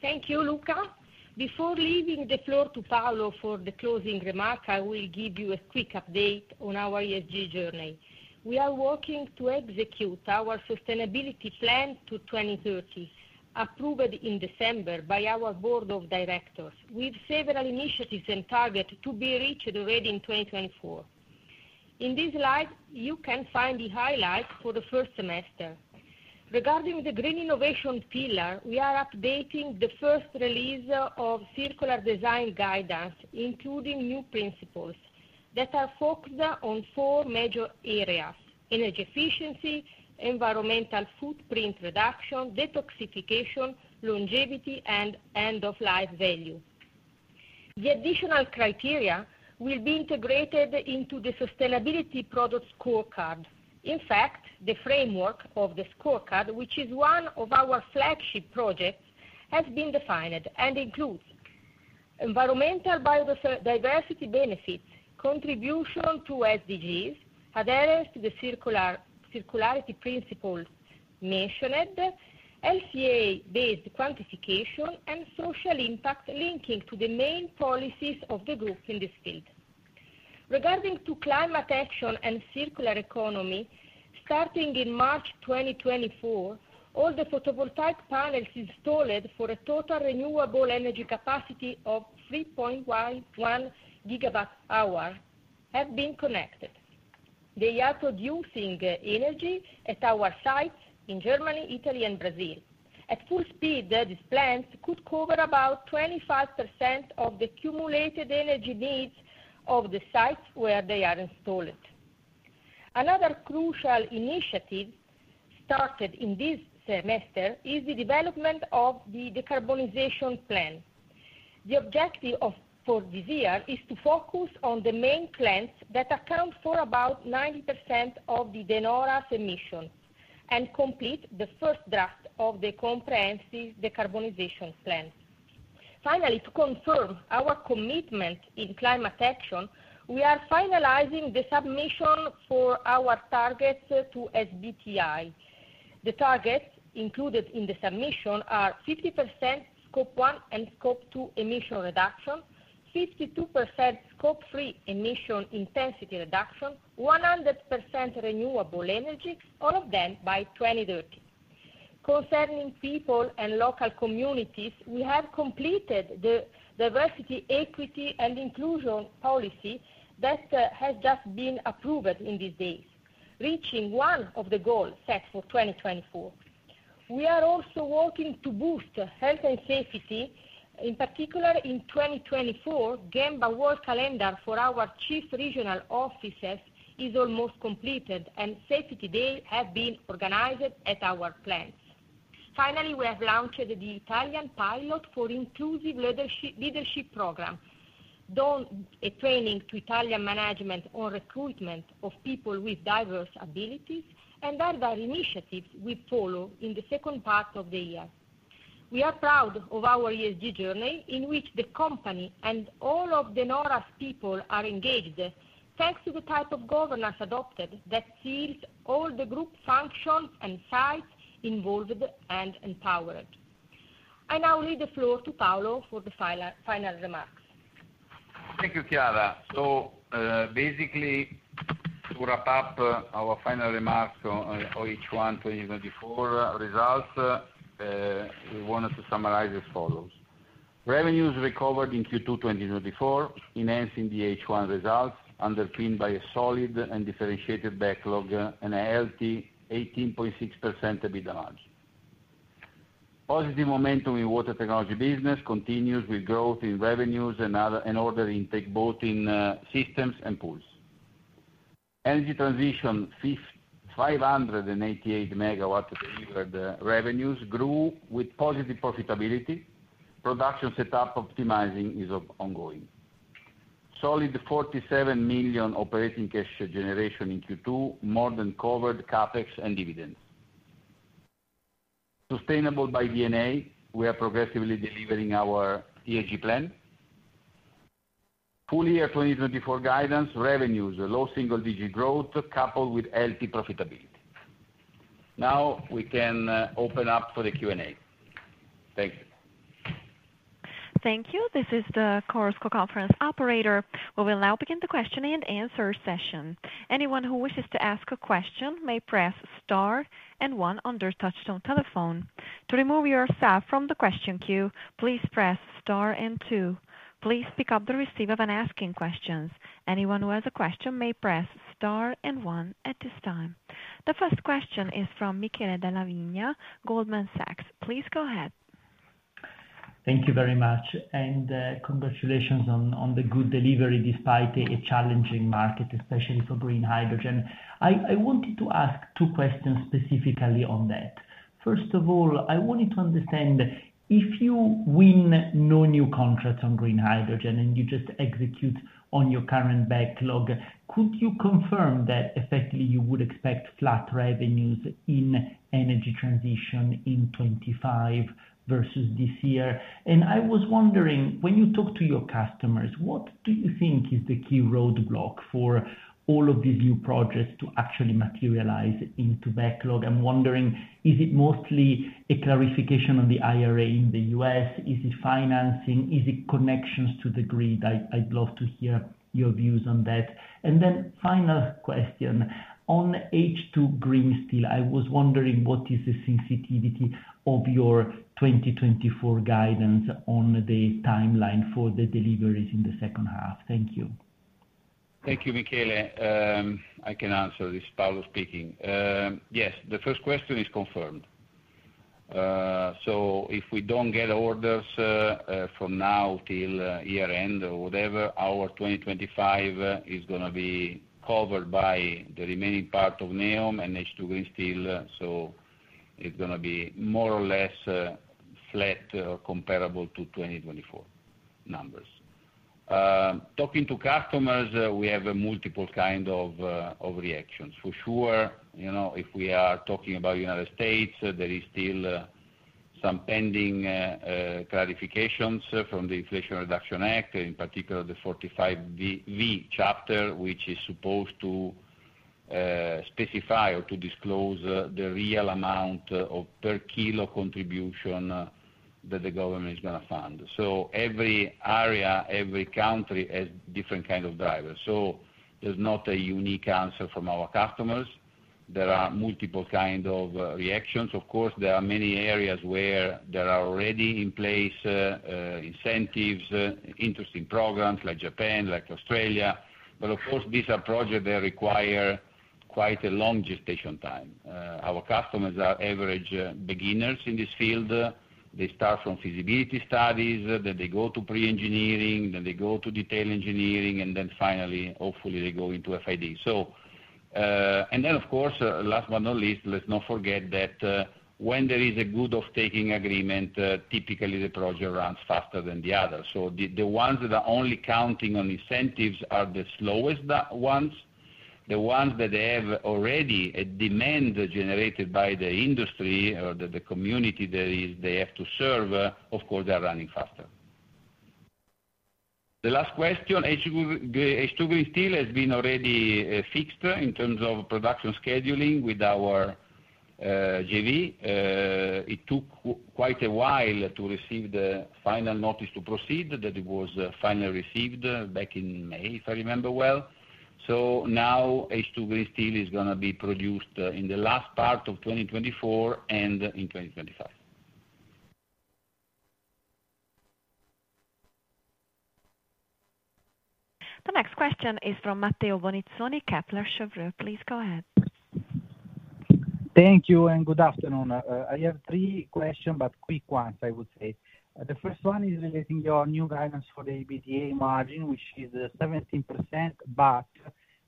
Thank you, Luca. Before leaving the floor to Paolo for the closing remark, I will give you a quick update on our ESG journey. We are working to execute our sustainability plan to 2030, approved in December by our board of directors, with several initiatives and targets to be reached already in 2024. In this slide, you can find the highlights for the first semester. Regarding the green innovation pillar, we are updating the first release of circular design guidance, including new principles that are focused on four major areas: energy efficiency, environmental footprint reduction, detoxification, longevity, and end-of-life value. The additional criteria will be integrated into the sustainability product scorecard. In fact, the framework of the scorecard, which is one of our flagship projects, has been defined and includes environmental biodiversity benefits, contribution to SDGs, adherence to the circular, circularity principles mentioned, LCA-based quantification, and social impact linking to the main policies of the group in the state. Regarding to climate action and circular economy, starting in March 2024, all the photovoltaic panels installed for a total renewable energy capacity of 3.11 gigawatt hour have been connected. They are producing energy at our sites in Germany, Italy, and Brazil. At full speed, these plants could cover about 25% of the cumulated energy needs of the sites where they are installed. Another crucial initiative started in this semester is the development of the decarbonization plan. The objective for this year is to focus on the main plants that account for about 90% of the De Nora's emissions, and complete the first draft of the comprehensive decarbonization plan. Finally, to confirm our commitment in climate action, we are finalizing the submission for our targets to SBTi. The targets included in the submission are 50% scope one and scope two emission reduction, 52% scope three emission intensity reduction, 100% renewable energy, all of them by 2030. Concerning people and local communities, we have completed the diversity, equity, and inclusion policy that has just been approved in these days, reaching one of the goals set for 2024. We are also working to boost health and safety. In particular, in 2024, Gemba walk calendar for our chief regional offices is almost completed, and safety day have been organized at our plants. Finally, we have launched the Italian pilot for inclusive leadership program, done a training to Italian management on recruitment of people with diverse abilities, and other initiatives will follow in the second part of the year. We are proud of our ESG journey, in which the company and all of De Nora's people are engaged, thanks to the type of governance adopted that sees all the group functions and sites involved and empowered. I now leave the floor to Paolo for the final, final remarks. Thank you, Chiara. So, basically, to wrap up our final remarks on H1 2024 results, we wanted to summarize as follows: Revenues recovered in Q2 2024, enhancing the H1 results, underpinned by a solid and differentiated backlog and a healthy 18.6% EBITDA margin. Positive momentum in water technology business continues with growth in revenues and other and order intake, both in systems and pools. Energy transition five hundred and eighty-eight MW delivered revenues grew with positive profitability. Production setup optimizing is ongoing. Solid 47 million operating cash generation in Q2, more than covered CapEx and dividends. Sustainable by DNA, we are progressively delivering our ESG plan. Full year 2024 guidance, revenues, low single-digit growth, coupled with healthy profitability. Now we can open up for the Q&A. Thank you. Thank you. This is the Chorus Call conference operator. We will now begin the question and answer session. Anyone who wishes to ask a question may press star and one on their touchtone telephone. To remove yourself from the question queue, please press star and two. Please pick up the receiver when asking questions. Anyone who has a question may press star and one at this time. The first question is from Michele Della Vigna, Goldman Sachs. Please go ahead. Thank you very much, and congratulations on the good delivery, despite a challenging market, especially for green hydrogen. I wanted to ask two questions specifically on that. First of all, I wanted to understand, if you win no new contracts on green hydrogen, and you just execute on your current backlog, could you confirm that effectively you would expect flat revenues in energy transition in 2025 versus this year? And I was wondering, when you talk to your customers, what do you think is the key roadblock for all of these new projects to actually materialize into backlog? I'm wondering, is it mostly a clarification on the IRA in the U.S.? Is it financing? Is it connections to the grid? I'd love to hear your views on that. Final question on H2 Green Steel, I was wondering what is the sensitivity of your 2024 guidance on the timeline for the deliveries in the second half? Thank you.... Thank you, Michele. I can answer this, Paolo speaking. Yes, the first question is confirmed. So if we don't get orders, from now till year end or whatever, our 2025 is gonna be covered by the remaining part of Neom and H2 Green Steel, so it's gonna be more or less, flat or comparable to 2024 numbers. Talking to customers, we have a multiple kind of, of reactions. For sure, you know, if we are talking about United States, there is still, some pending, clarifications from the Inflation Reduction Act, in particular, the 45V chapter, which is supposed to, specify or to disclose, the real amount of per kilo contribution, that the government is gonna fund. So every area, every country has different kind of drivers. So there's not a unique answer from our customers. There are multiple kind of reactions. Of course, there are many areas where there are already in place incentives, interesting programs like Japan, like Australia, but of course, these are projects that require quite a long gestation time. Our customers are average beginners in this field. They start from feasibility studies, then they go to pre-engineering, then they go to detail engineering, and then finally, hopefully, they go into FID. And then, of course, last but not least, let's not forget that, when there is a good off-taking agreement, typically the project runs faster than the other. So the ones that are only counting on incentives are the slowest ones. The ones that have already a demand generated by the industry or the, the community that is they have to serve, of course, they are running faster. The last question, H2, H2 Green Steel has been already fixed in terms of production scheduling with our JV. It took quite a while to receive the final notice to proceed, that it was finally received back in May, if I remember well. So now H2 Green Steel is gonna be produced in the last part of 2024 and in 2025. The next question is from Matteo Bonizzoni, Kepler Cheuvreux. Please go ahead. Thank you and good afternoon. I have three question, but quick ones, I would say. The first one is relating to your new guidance for the EBITDA margin, which is 17%, but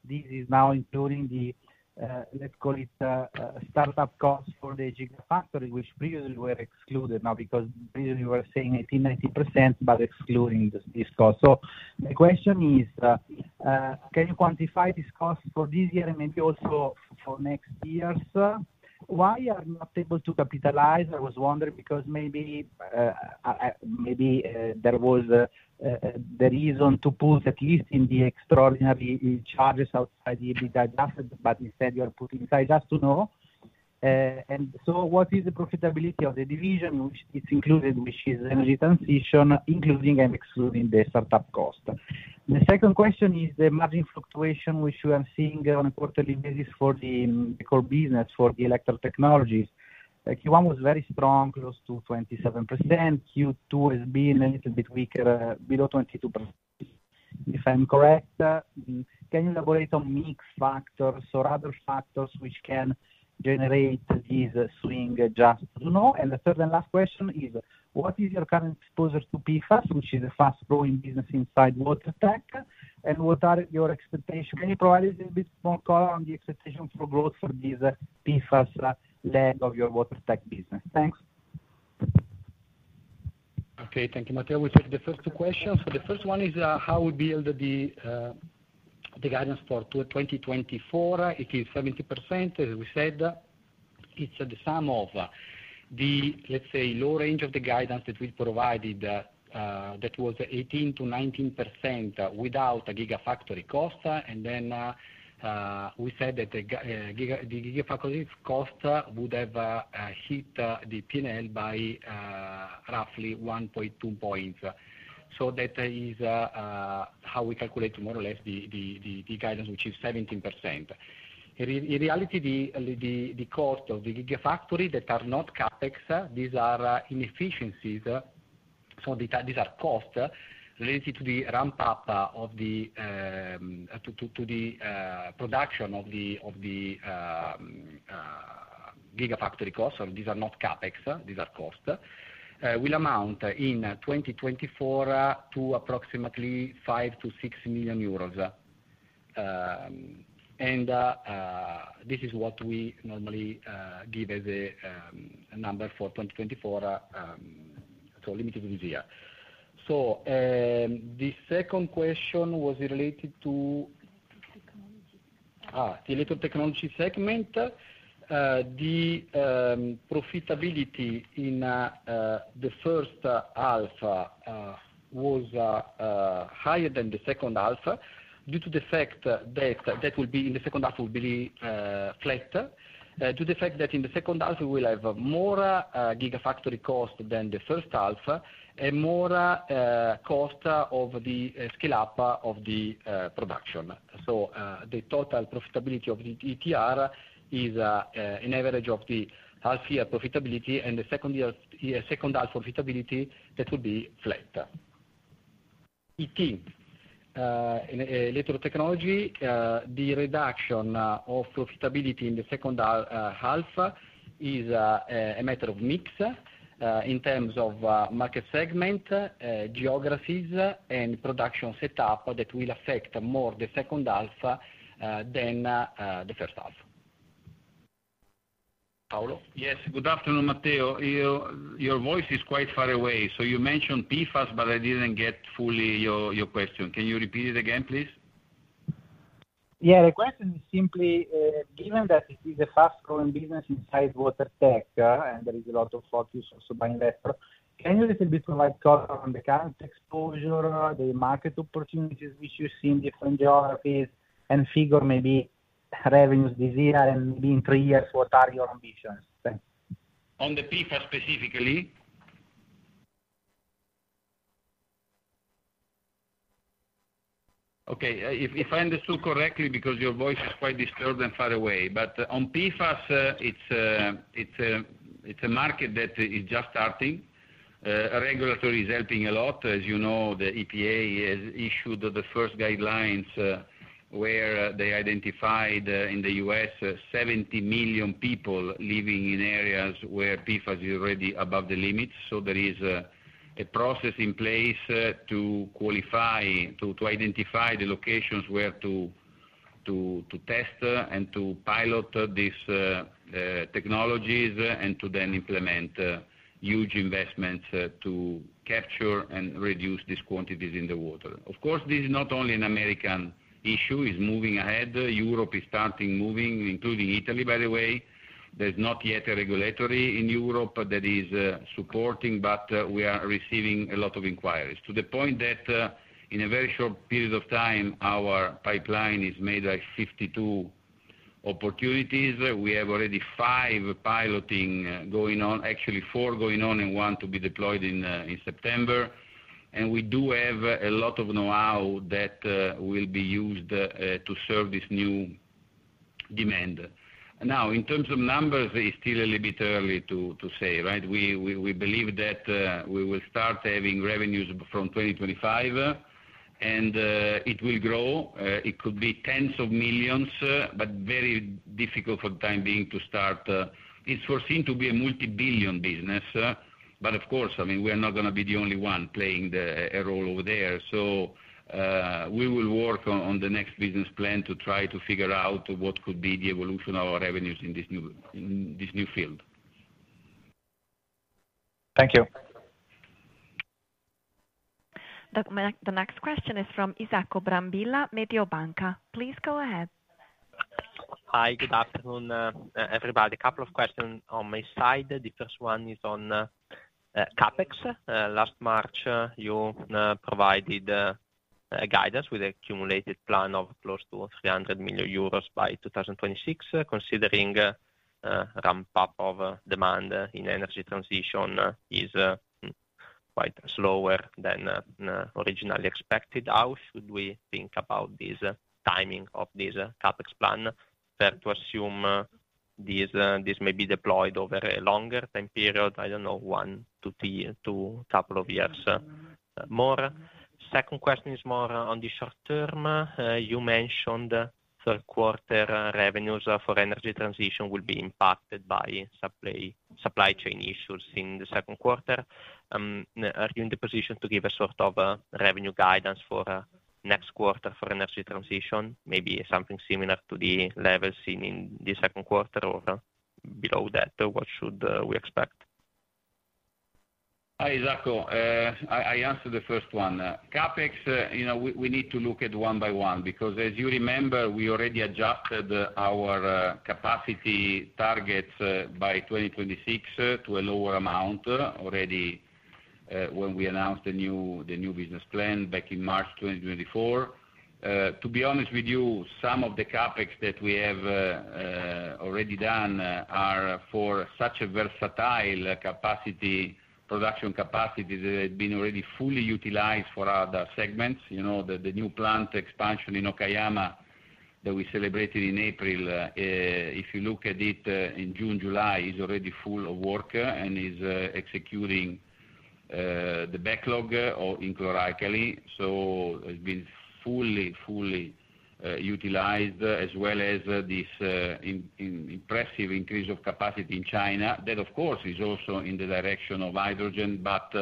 this is now including the, let's call it, startup costs for the Gigafactory, which previously were excluded, now because previously you were saying 18%-19%, but excluding this cost. So my question is, can you quantify this cost for this year and maybe also for next years? Why you are not able to capitalize? I was wondering, because maybe, maybe, there was, the reason to put at least in the extraordinary charges outside the EBITDA, but instead you are putting inside, just to know. and so what is the profitability of the division, which is included, which is energy transition, including and excluding the startup cost? The second question is the margin fluctuation, which we are seeing on a quarterly basis for the core business, for the electro technologies. Like Q1 was very strong, close to 27%. Q2 has been a little bit weaker, below 22%, if I'm correct. can you elaborate on mix factors or other factors which can generate this swing, just to know? And the third and last question is: What is your current exposure to PFAS, which is a fast-growing business inside Water Tech, and what are your expectations? Can you provide a little bit more color on the expectation for growth for this PFAS leg of your Water Tech business? Thanks. Okay. Thank you, Matteo. We take the first two questions. So the first one is, how we build the guidance for 2024. It is 17%, as we said. It's the sum of the, let's say, low range of the guidance that we provided, that was 18%-19% without a Gigafactory cost. And then, we said that the Gigafactory cost would have hit the P&L by roughly 1.2 points. So that is how we calculate more or less the guidance, which is 17%. In reality, the cost of the Gigafactory that are not CapEx, these are inefficiencies. So these are costs related to the ramp-up of the production of the Gigafactory costs. So these are not CapEx, these are costs, will amount in 2024 to approximately 5-6 million euros. And this is what we normally give as a number for 2024, so limited in the year. So the second question was related to- Electrode Technology. Ah, the Electrode Technology segment. The profitability in the first half was higher than the second half, due to the fact that that will be, in the second half will be, flat. Due to the fact that in the second half, we will have more Gigafactory cost than the first half and more cost of the scale-up of the production. So, the total profitability of the ETR is an average of the half year profitability and the second year, second half profitability, that would be flat.... ET, in Electrode Technology, the reduction of profitability in the second half is a matter of mix in terms of market segment, geographies, and production setup that will affect more the second half than the first half. Paolo? Yes, good afternoon, Matteo. You, your voice is quite far away. So you mentioned PFAS, but I didn't get fully your, your question. Can you repeat it again, please? Yeah, the question is simply, given that it is a fast-growing business inside Water Tech, and there is a lot of focus also by investor, can you a little bit provide color on the current exposure, the market opportunities which you see in different geographies, and figure maybe revenues this year, and maybe in three years, what are your ambitions? Thanks. On the PFAS specifically? Okay, if, if I understood correctly, because your voice is quite disturbed and far away, but on PFAS, it's a market that is just starting. Regulatory is helping a lot. As you know, the EPA has issued the first guidelines, where they identified, in the U.S., 70 million people living in areas where PFAS is already above the limits. So there is a process in place to qualify, to identify the locations where to test and to pilot these technologies, and to then implement huge investments to capture and reduce these quantities in the water. Of course, this is not only an American issue, is moving ahead. Europe is starting moving, including Italy, by the way. There's not yet a regulation in Europe that is supporting, but we are receiving a lot of inquiries. To the point that, in a very short period of time, our pipeline is made by 52 opportunities. We have already five piloting going on. Actually, four going on, and one to be deployed in September. And we do have a lot of know-how that will be used to serve this new demand. Now, in terms of numbers, it's still a little bit early to say, right? We believe that we will start having revenues from 2025, and it will grow. It could be tens of millions EUR, but very difficult for the time being to start. It's foreseen to be a multi-billion business, but of course, I mean, we are not going to be the only one playing a role over there. So, we will work on the next business plan to try to figure out what could be the evolution of our revenues in this new field. Thank you. The next question is from Isacco Brambilla, Mediobanca. Please go ahead. Hi, good afternoon, everybody. A couple of questions on my side. The first one is on CapEx. Last March, you provided a guidance with accumulated plan of close to 300 million euros by 2026. Considering ramp up of demand in energy transition is quite slower than originally expected, how should we think about this timing of this CapEx plan? Fair to assume this may be deployed over a longer time period, I don't know, 1-3, a couple of years more? Second question is more on the short term. You mentioned third quarter revenues for energy transition will be impacted by supply chain issues in the second quarter. Are you in the position to give a sort of a revenue guidance for next quarter for energy transition, maybe something similar to the level seen in the second quarter, or below that, what should we expect? Hi, Isacco. I answer the first one. CapEx, you know, we need to look at one by one, because as you remember, we already adjusted our capacity targets by 2026 to a lower amount already when we announced the new, the new business plan back in March 2024. To be honest with you, some of the CapEx that we have already done are for such a versatile capacity, production capacity, that have been already fully utilized for other segments. You know, the, the new plant expansion in Okayama, that we celebrated in April, if you look at it in June, July, is already full of work, and is executing the backlog in chloralkali. So it's been fully, fully, utilized, as well as, this, impressive increase of capacity in China. That, of course, is also in the direction of hydrogen, but,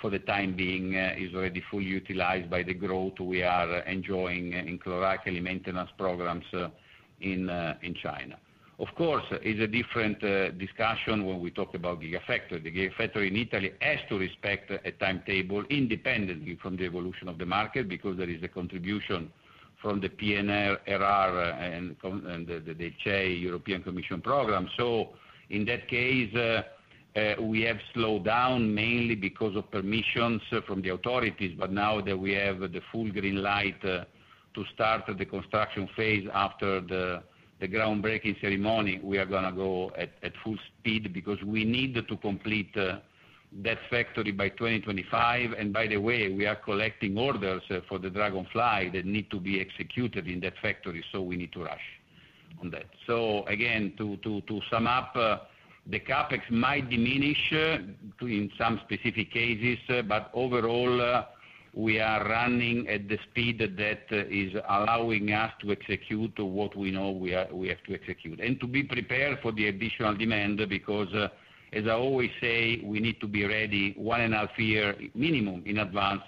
for the time being, is already fully utilized by the growth we are enjoying in chloralkali maintenance programs, in China. Of course, it's a different, discussion when we talk about Gigafactory. The Gigafactory in Italy has to respect a timetable independently from the evolution of the market, because there is a contribution from the PNRR, and from the European Commission program. So in that case, we have slowed down, mainly because of permissions from the authorities, but now that we have the full green light, to start the construction phase after the groundbreaking ceremony, we are going to go at full speed, because we need to complete that factory by 2025. And by the way, we are collecting orders for the Dragonfly that need to be executed in that factory, so we need to rush on that. So again, to sum up, the CapEx might diminish to in some specific cases, but overall, we are running at the speed that is allowing us to execute what we know we have to execute. To be prepared for the additional demand, because, as I always say, we need to be ready 1.5 year minimum in advance,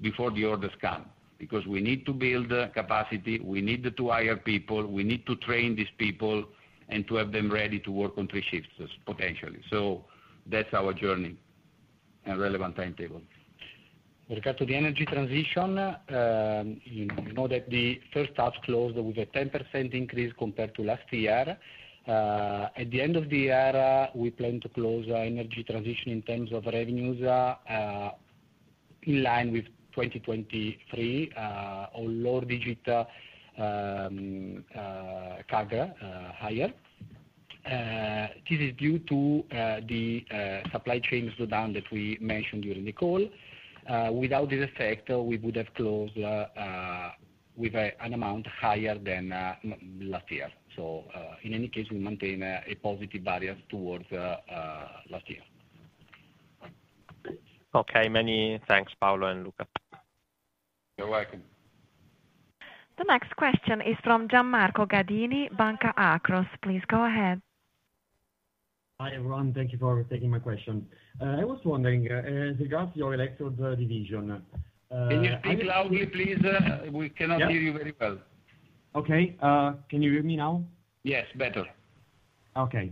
before the orders come. Because we need to build capacity, we need to hire people, we need to train these people and to have them ready to work on 3 shifts, potentially. So that's our journey and relevant timetable. With regard to the energy transition, you know that the first half closed with a 10% increase compared to last year. At the end of the year, we plan to close our energy transition in terms of revenues in line with 2023, a low digit CAGR higher. This is due to the supply chain slowdown that we mentioned during the call. Without this effect, we would have closed with an amount higher than last year. So, in any case, we maintain a positive barrier towards last year. Okay, many thanks, Paolo and Luca. You're welcome. The next question is from Gian Marco Gadini, Banca Akros. Please go ahead. Hi, everyone. Thank you for taking my question. I was wondering, regarding your electrode division, Can you speak loudly, please? We cannot hear you very well. Okay. Can you hear me now? Yes, better. Okay,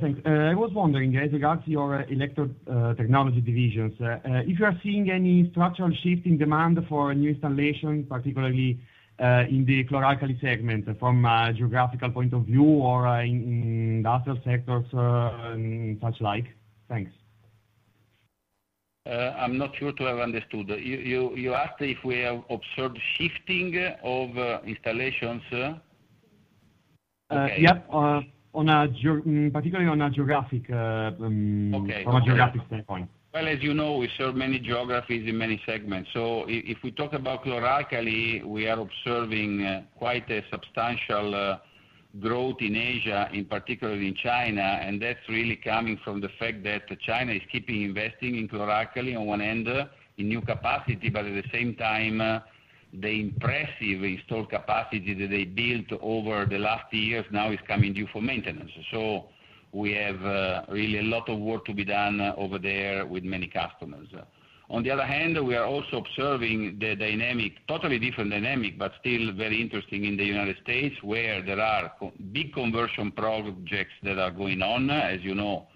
thanks. I was wondering, as regards to your electrode technology divisions, if you are seeing any structural shift in demand for new installation, particularly, in the chloralkali segment from a geographical point of view or in industrial sectors, and such like? Thanks. I'm not sure to have understood. You asked if we have observed shifting of installations? Yep, particularly on a geographic, Okay. From a geographic standpoint. Well, as you know, we serve many geographies in many segments. So if we talk about chloralkali, we are observing quite a substantial growth in Asia, in particular in China. And that's really coming from the fact that China is keeping investing in chloralkali on one end, in new capacity, but at the same time, the impressive installed capacity that they built over the last years now is coming due for maintenance. So we have really a lot of work to be done over there with many customers. On the other hand, we are also observing the dynamic, totally different dynamic, but still very interesting in the United States, where there are big conversion projects that are going on. As you know,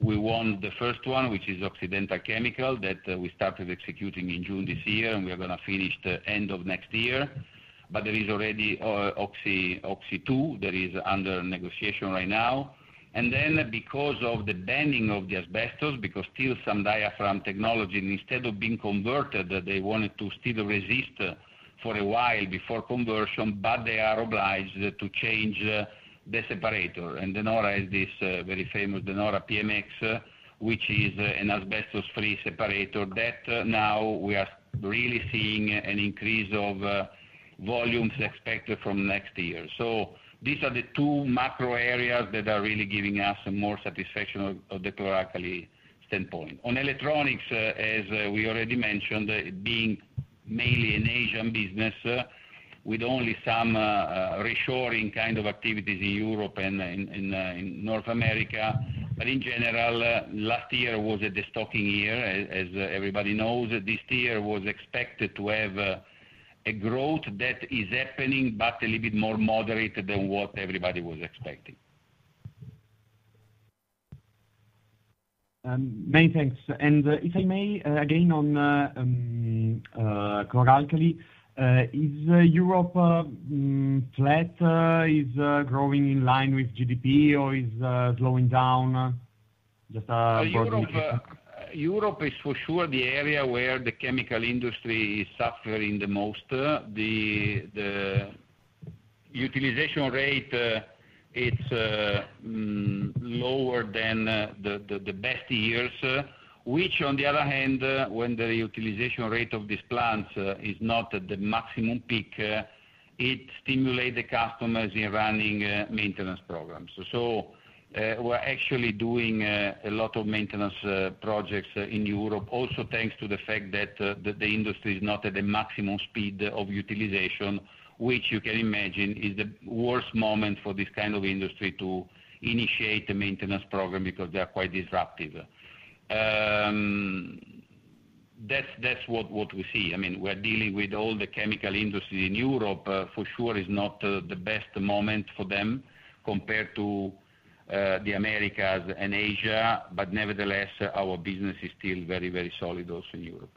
we won the first one, which is Occidental Chemical, that we started executing in June this year, and we are going to finish the end of next year. But there is already, Oxy, Oxy two, that is under negotiation right now. And then because of the banning of the asbestos, because still some diaphragm technology, instead of being converted, they wanted to still resist, for a while before conversion, but they are obliged to change, the separator. And De Nora has this, very famous De Nora PMX, which is an asbestos-free separator, that now we are really seeing an increase of, volumes expected from next year. So these are the two macro areas that are really giving us more satisfaction of, of the chloralkali standpoint. On electronics, as we already mentioned, being mainly an Asian business, with only some reshoring kind of activities in Europe and in North America. But in general, last year was a de-stocking year. As everybody knows, this year was expected to have a growth that is happening, but a little bit more moderate than what everybody was expecting. Many thanks. And if I may, again, on the chloralkali, is Europe flat, is growing in line with GDP, or is slowing down? Just broadly- Europe, Europe is for sure the area where the chemical industry is suffering the most. The utilization rate, it's lower than the best years, which, on the other hand, when the utilization rate of these plants is not at the maximum peak, it stimulate the customers in running maintenance programs. So, we're actually doing a lot of maintenance projects in Europe. Also, thanks to the fact that the industry is not at the maximum speed of utilization, which you can imagine is the worst moment for this kind of industry to initiate a maintenance program because they are quite disruptive. That's what we see. I mean, we're dealing with all the chemical industry in Europe, for sure is not the best moment for them compared to the Americas and Asia. But nevertheless, our business is still very, very solid also in Europe.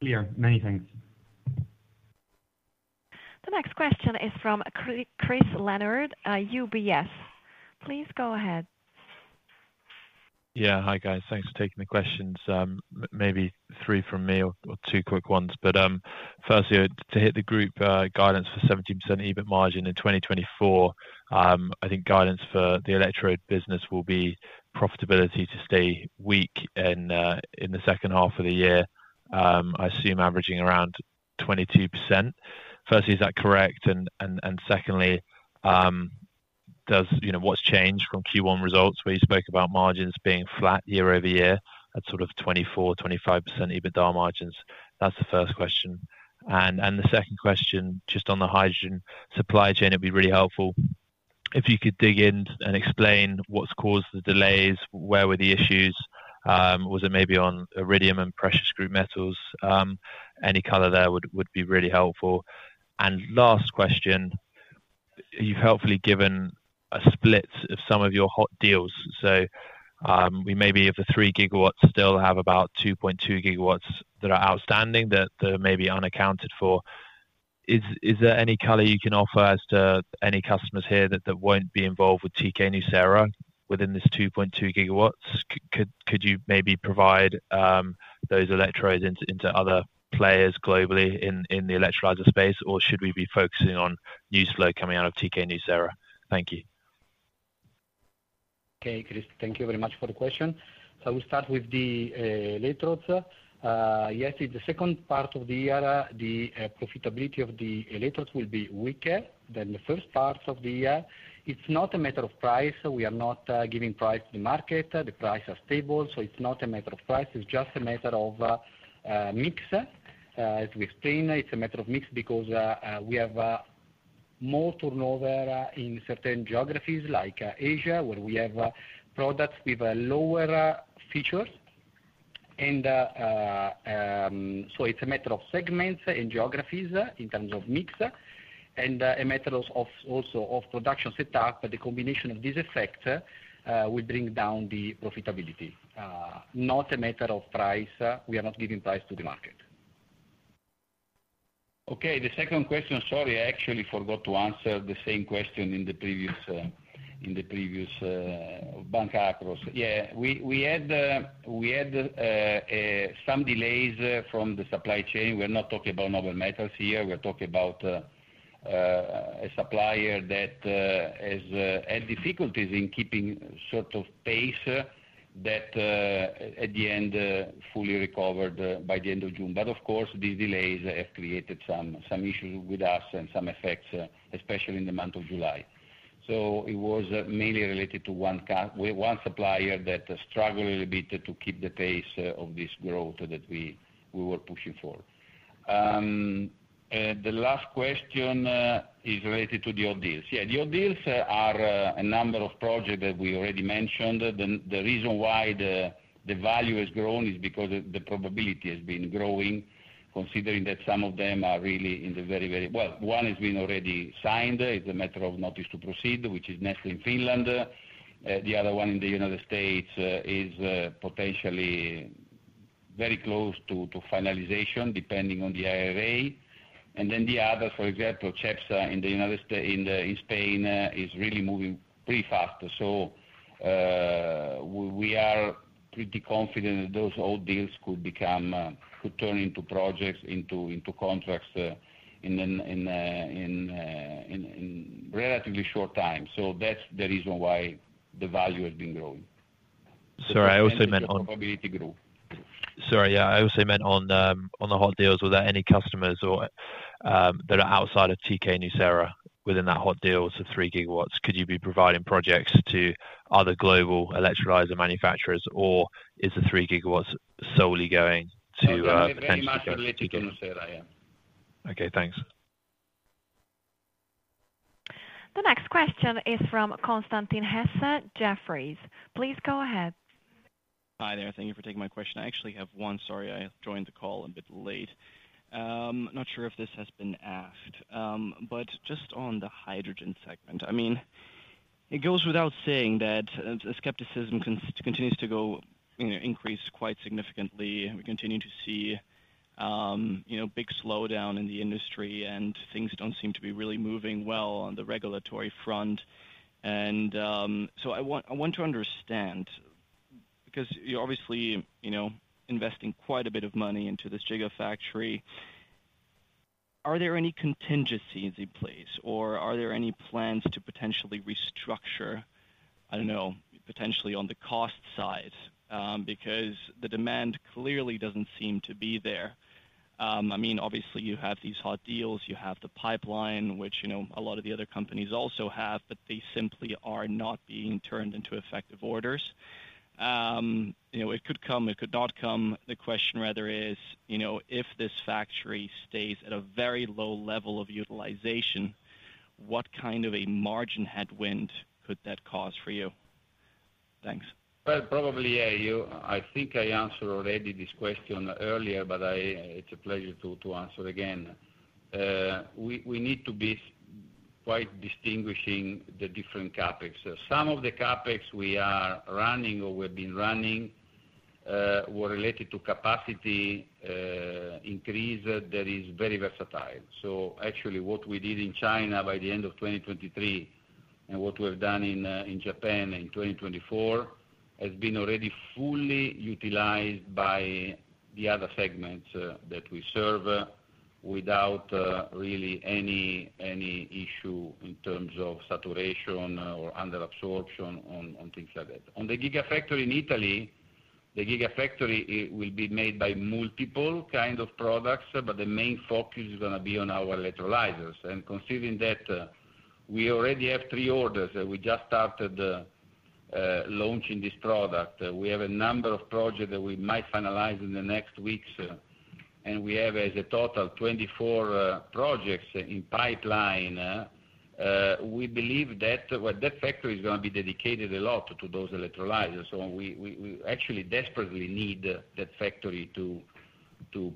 Clear. Many thanks. The next question is from Chris Leonard, UBS. Please go ahead. Yeah. Hi, guys. Thanks for taking the questions. Maybe three from me or two quick ones. But firstly, to hit the group guidance for 17% EBIT margin in 2024, I think guidance for the electrode business will be profitability to stay weak in the second half of the year, I assume averaging around 22%. Firstly, is that correct? And secondly,... does, you know, what's changed from Q1 results, where you spoke about margins being flat year-over-year at sort of 24%-25% EBITDA margins? That's the first question. And the second question, just on the hydrogen supply chain, it'd be really helpful if you could dig in and explain what's caused the delays. Where were the issues? Was it maybe on iridium and precious group metals? Any color there would be really helpful. And last question, you've helpfully given a split of some of your hot deals. So, we maybe of the 3 gigawatts still have about 2.2 gigawatts that are outstanding, that may be unaccounted for. Is there any color you can offer as to any customers here that won't be involved with Thyssenkrupp Nucera within this 2.2 gigawatts? Could you maybe provide those electrodes into other players globally in the electrolyzer space, or should we be focusing on new flow coming out of Thyssenkrupp Nucera? Thank you. Okay, Chris, thank you very much for the question. So we start with the electrodes. Yes, in the second part of the year, the profitability of the electrodes will be weaker than the first part of the year. It's not a matter of price. We are not giving price to the market. The price are stable, so it's not a matter of price, it's just a matter of mix. As we explained, it's a matter of mix because we have more turnover in certain geographies, like Asia, where we have products with lower features. And so it's a matter of segments and geographies in terms of mix, and a matter of also of production setup, but the combination of this effect will bring down the profitability. Not a matter of price. We are not giving price to the market. Okay, the second question, sorry, I actually forgot to answer the same question in the previous, in the previous, Banca Akros. Yeah, we had some delays from the supply chain. We're not talking about noble metals here. We're talking about a supplier that has had difficulties in keeping sort of pace that at the end fully recovered by the end of June. But of course, these delays have created some issues with us and some effects, especially in the month of July. So it was mainly related to one with one supplier that struggled a little bit to keep the pace of this growth that we were pushing for. The last question is related to the hot deals. Yeah, the hot deals are a number of projects that we already mentioned. The reason why the value has grown is because the probability has been growing, considering that some of them are really in the very, very... Well, one has been already signed. It's a matter of notice to proceed, which is next in Finland. The other one in the United States is potentially very close to finalization, depending on the IRA. And then the other, for example, Cepsa, in Spain, is really moving pretty fast. So, we are pretty confident that those hot deals could become, could turn into projects, into contracts, in a relatively short time. That's the reason why the value has been growing. Sorry, I also meant on- Probability grow. Sorry, yeah, I also meant on the, on the hot deals, were there any customers or, that are outside of Thyssenkrupp Nucera within that hot deals of 3 gigawatts? Could you be providing projects to other global electrolyzer manufacturers, or is the 3 gigawatts solely going to, potentially- Very much related to De Nora, yeah. Okay, thanks. The next question is from Constantin Hesse, Jefferies. Please go ahead. Hi, there. Thank you for taking my question. I actually have one, sorry, I joined the call a bit late. Not sure if this has been asked, but just on the hydrogen segment, I mean, it goes without saying that skepticism continues to go, you know, increase quite significantly, and we continue to see, you know, big slowdown in the industry, and things don't seem to be really moving well on the regulatory front. And so I want, I want to understand, because you're obviously, you know, investing quite a bit of money into this Gigafactory, are there any contingencies in place, or are there any plans to potentially restructure, I don't know, potentially on the cost side? Because the demand clearly doesn't seem to be there. I mean, obviously, you have these hot deals, you have the pipeline, which, you know, a lot of the other companies also have, but they simply are not being turned into effective orders. You know, it could come, it could not come. The question rather is, you know, if this factory stays at a very low level of utilization, what kind of a margin headwind could that cause for you? Thanks. Well, probably, yeah. I think I answered already this question earlier, but it's a pleasure to answer again. We need to be quite distinguishing the different CapEx. Some of the CapEx we are running or we've been running were related to capacity increase that is very versatile. So actually, what we did in China by the end of 2023, and what we have done in Japan in 2024, has been already fully utilized by the other segments that we serve without really any issue in terms of saturation or under absorption on things like that. On the Gigafactory in Italy. The Gigafactory, it will be made by multiple kind of products, but the main focus is going to be on our electrolyzers. And considering that, we already have three orders, we just started launching this product. We have a number of projects that we might finalize in the next weeks, and we have as a total of 24 projects in pipeline. We believe that, well, that factory is going to be dedicated a lot to those electrolyzers. So we actually desperately need that factory to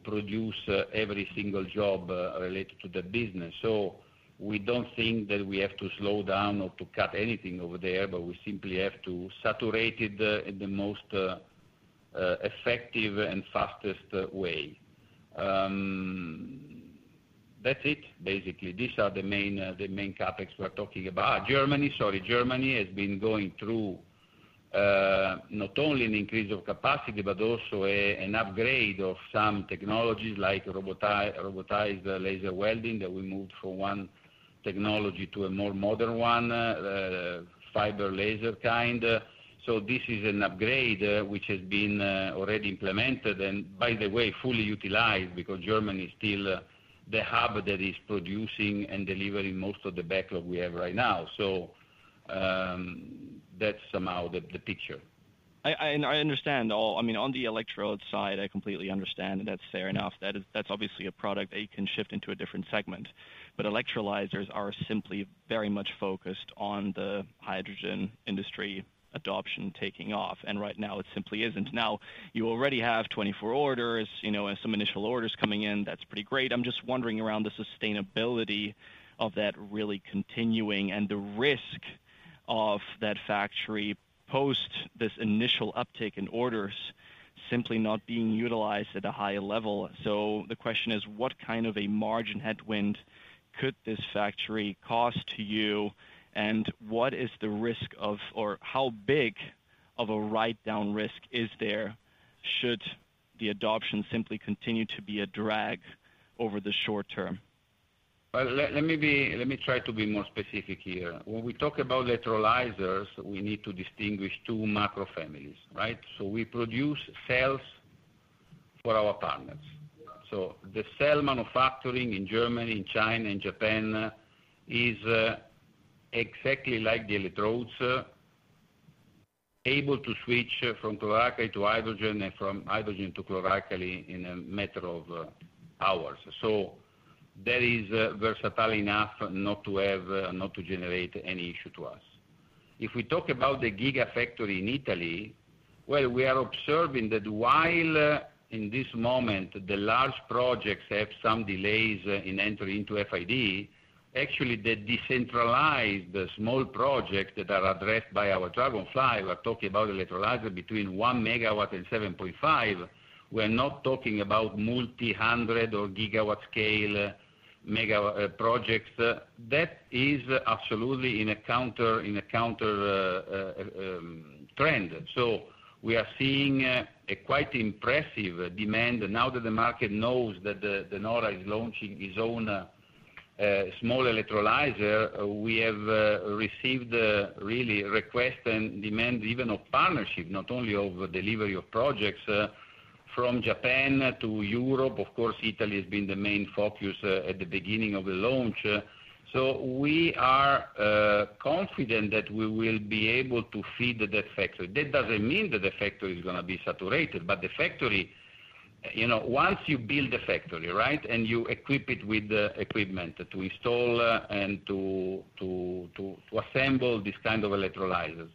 produce every single job related to the business. So we don't think that we have to slow down or to cut anything over there, but we simply have to saturate it in the most effective and fastest way. That's it. Basically, these are the main CapEx we're talking about. Germany, sorry, Germany has been going through, not only an increase of capacity, but also an upgrade of some technologies like robotized laser welding, that we moved from one technology to a more modern one, fiber laser kind. So this is an upgrade, which has been already implemented and by the way, fully utilized, because Germany is still the hub that is producing and delivering most of the backlog we have right now. So, that's somehow the picture. I understand all. I mean, on the electrode side, I completely understand, and that's fair enough. That is... That's obviously a product that you can shift into a different segment, but electrolyzers are simply very much focused on the hydrogen industry adoption taking off, and right now, it simply isn't. Now, you already have 24 orders, you know, some initial orders coming in. That's pretty great. I'm just wondering about the sustainability of that really continuing and the risk of that factory post this initial uptick in orders simply not being utilized at a high level. So the question is: What kind of a margin headwind could this factory cost to you? And what is the risk of, or how big of a write-down risk is there, should the adoption simply continue to be a drag over the short term? Well, let me try to be more specific here. When we talk about electrolyzers, we need to distinguish two macro families, right? So we produce cells for our partners. So the cell manufacturing in Germany, in China, and Japan is exactly like the electrodes, able to switch from chloralkali to hydrogen and from hydrogen to chloralkali in a matter of hours. So that is versatile enough not to have not to generate any issue to us. If we talk about the Gigafactory in Italy, well, we are observing that while in this moment, the large projects have some delays in entering into FID, actually, the decentralized small projects that are addressed by our Dragonfly, we're talking about electrolyzer between 1 MW and 7.5. We're not talking about multi-hundred or gigawatt scale mega projects. That is absolutely in a counter trend. So we are seeing a quite impressive demand. Now that the market knows that De Nora is launching his own small electrolyzer, we have received really requests and demands, even of partnership, not only of delivery of projects, from Japan to Europe. Of course, Italy has been the main focus at the beginning of the launch. So we are confident that we will be able to feed that factory. That doesn't mean that the factory is going to be saturated, but the factory, you know, once you build the factory, right, and you equip it with the equipment to install and to assemble this kind of electrolyzers,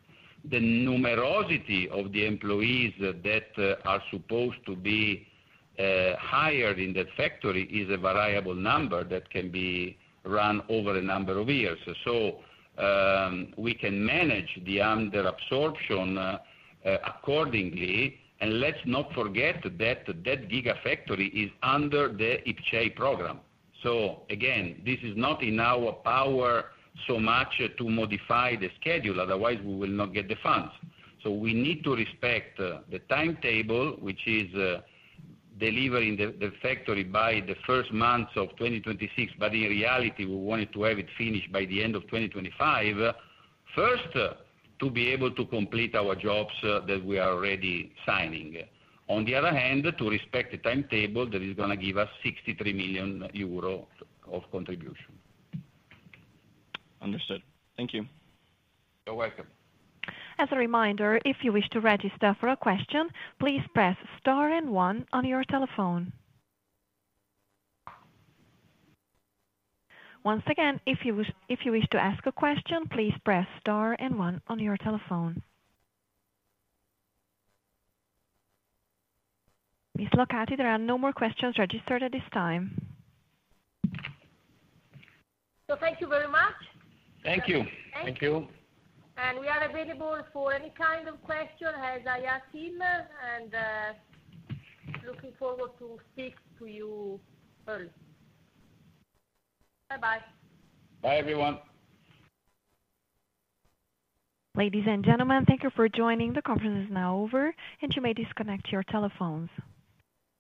the numerosity of the employees that are supposed to be hired in that factory is a variable number that can be run over a number of years. So, we can manage the under absorption accordingly. And let's not forget that Gigafactory is under the IPCEI program. So again, this is not in our power so much to modify the schedule, otherwise we will not get the funds. So we need to respect the timetable, which is delivering the factory by the first month of 2026. But in reality, we wanted to have it finished by the end of 2025. First, to be able to complete our jobs, that we are already signing. On the other hand, to respect the timetable that is going to give us 63 million euro of contribution. Understood. Thank you. You're welcome. As a reminder, if you wish to register for a question, please press star and one on your telephone. Once again, if you wish to ask a question, please press star and one on your telephone. Ms. Locati, there are no more questions registered at this time. Thank you very much. Thank you. Thank you. We are available for any kind of question as I ask him, and looking forward to speak to you early. Bye-bye. Bye, everyone. Ladies and gentlemen, thank you for joining. The conference is now over, and you may disconnect your telephones.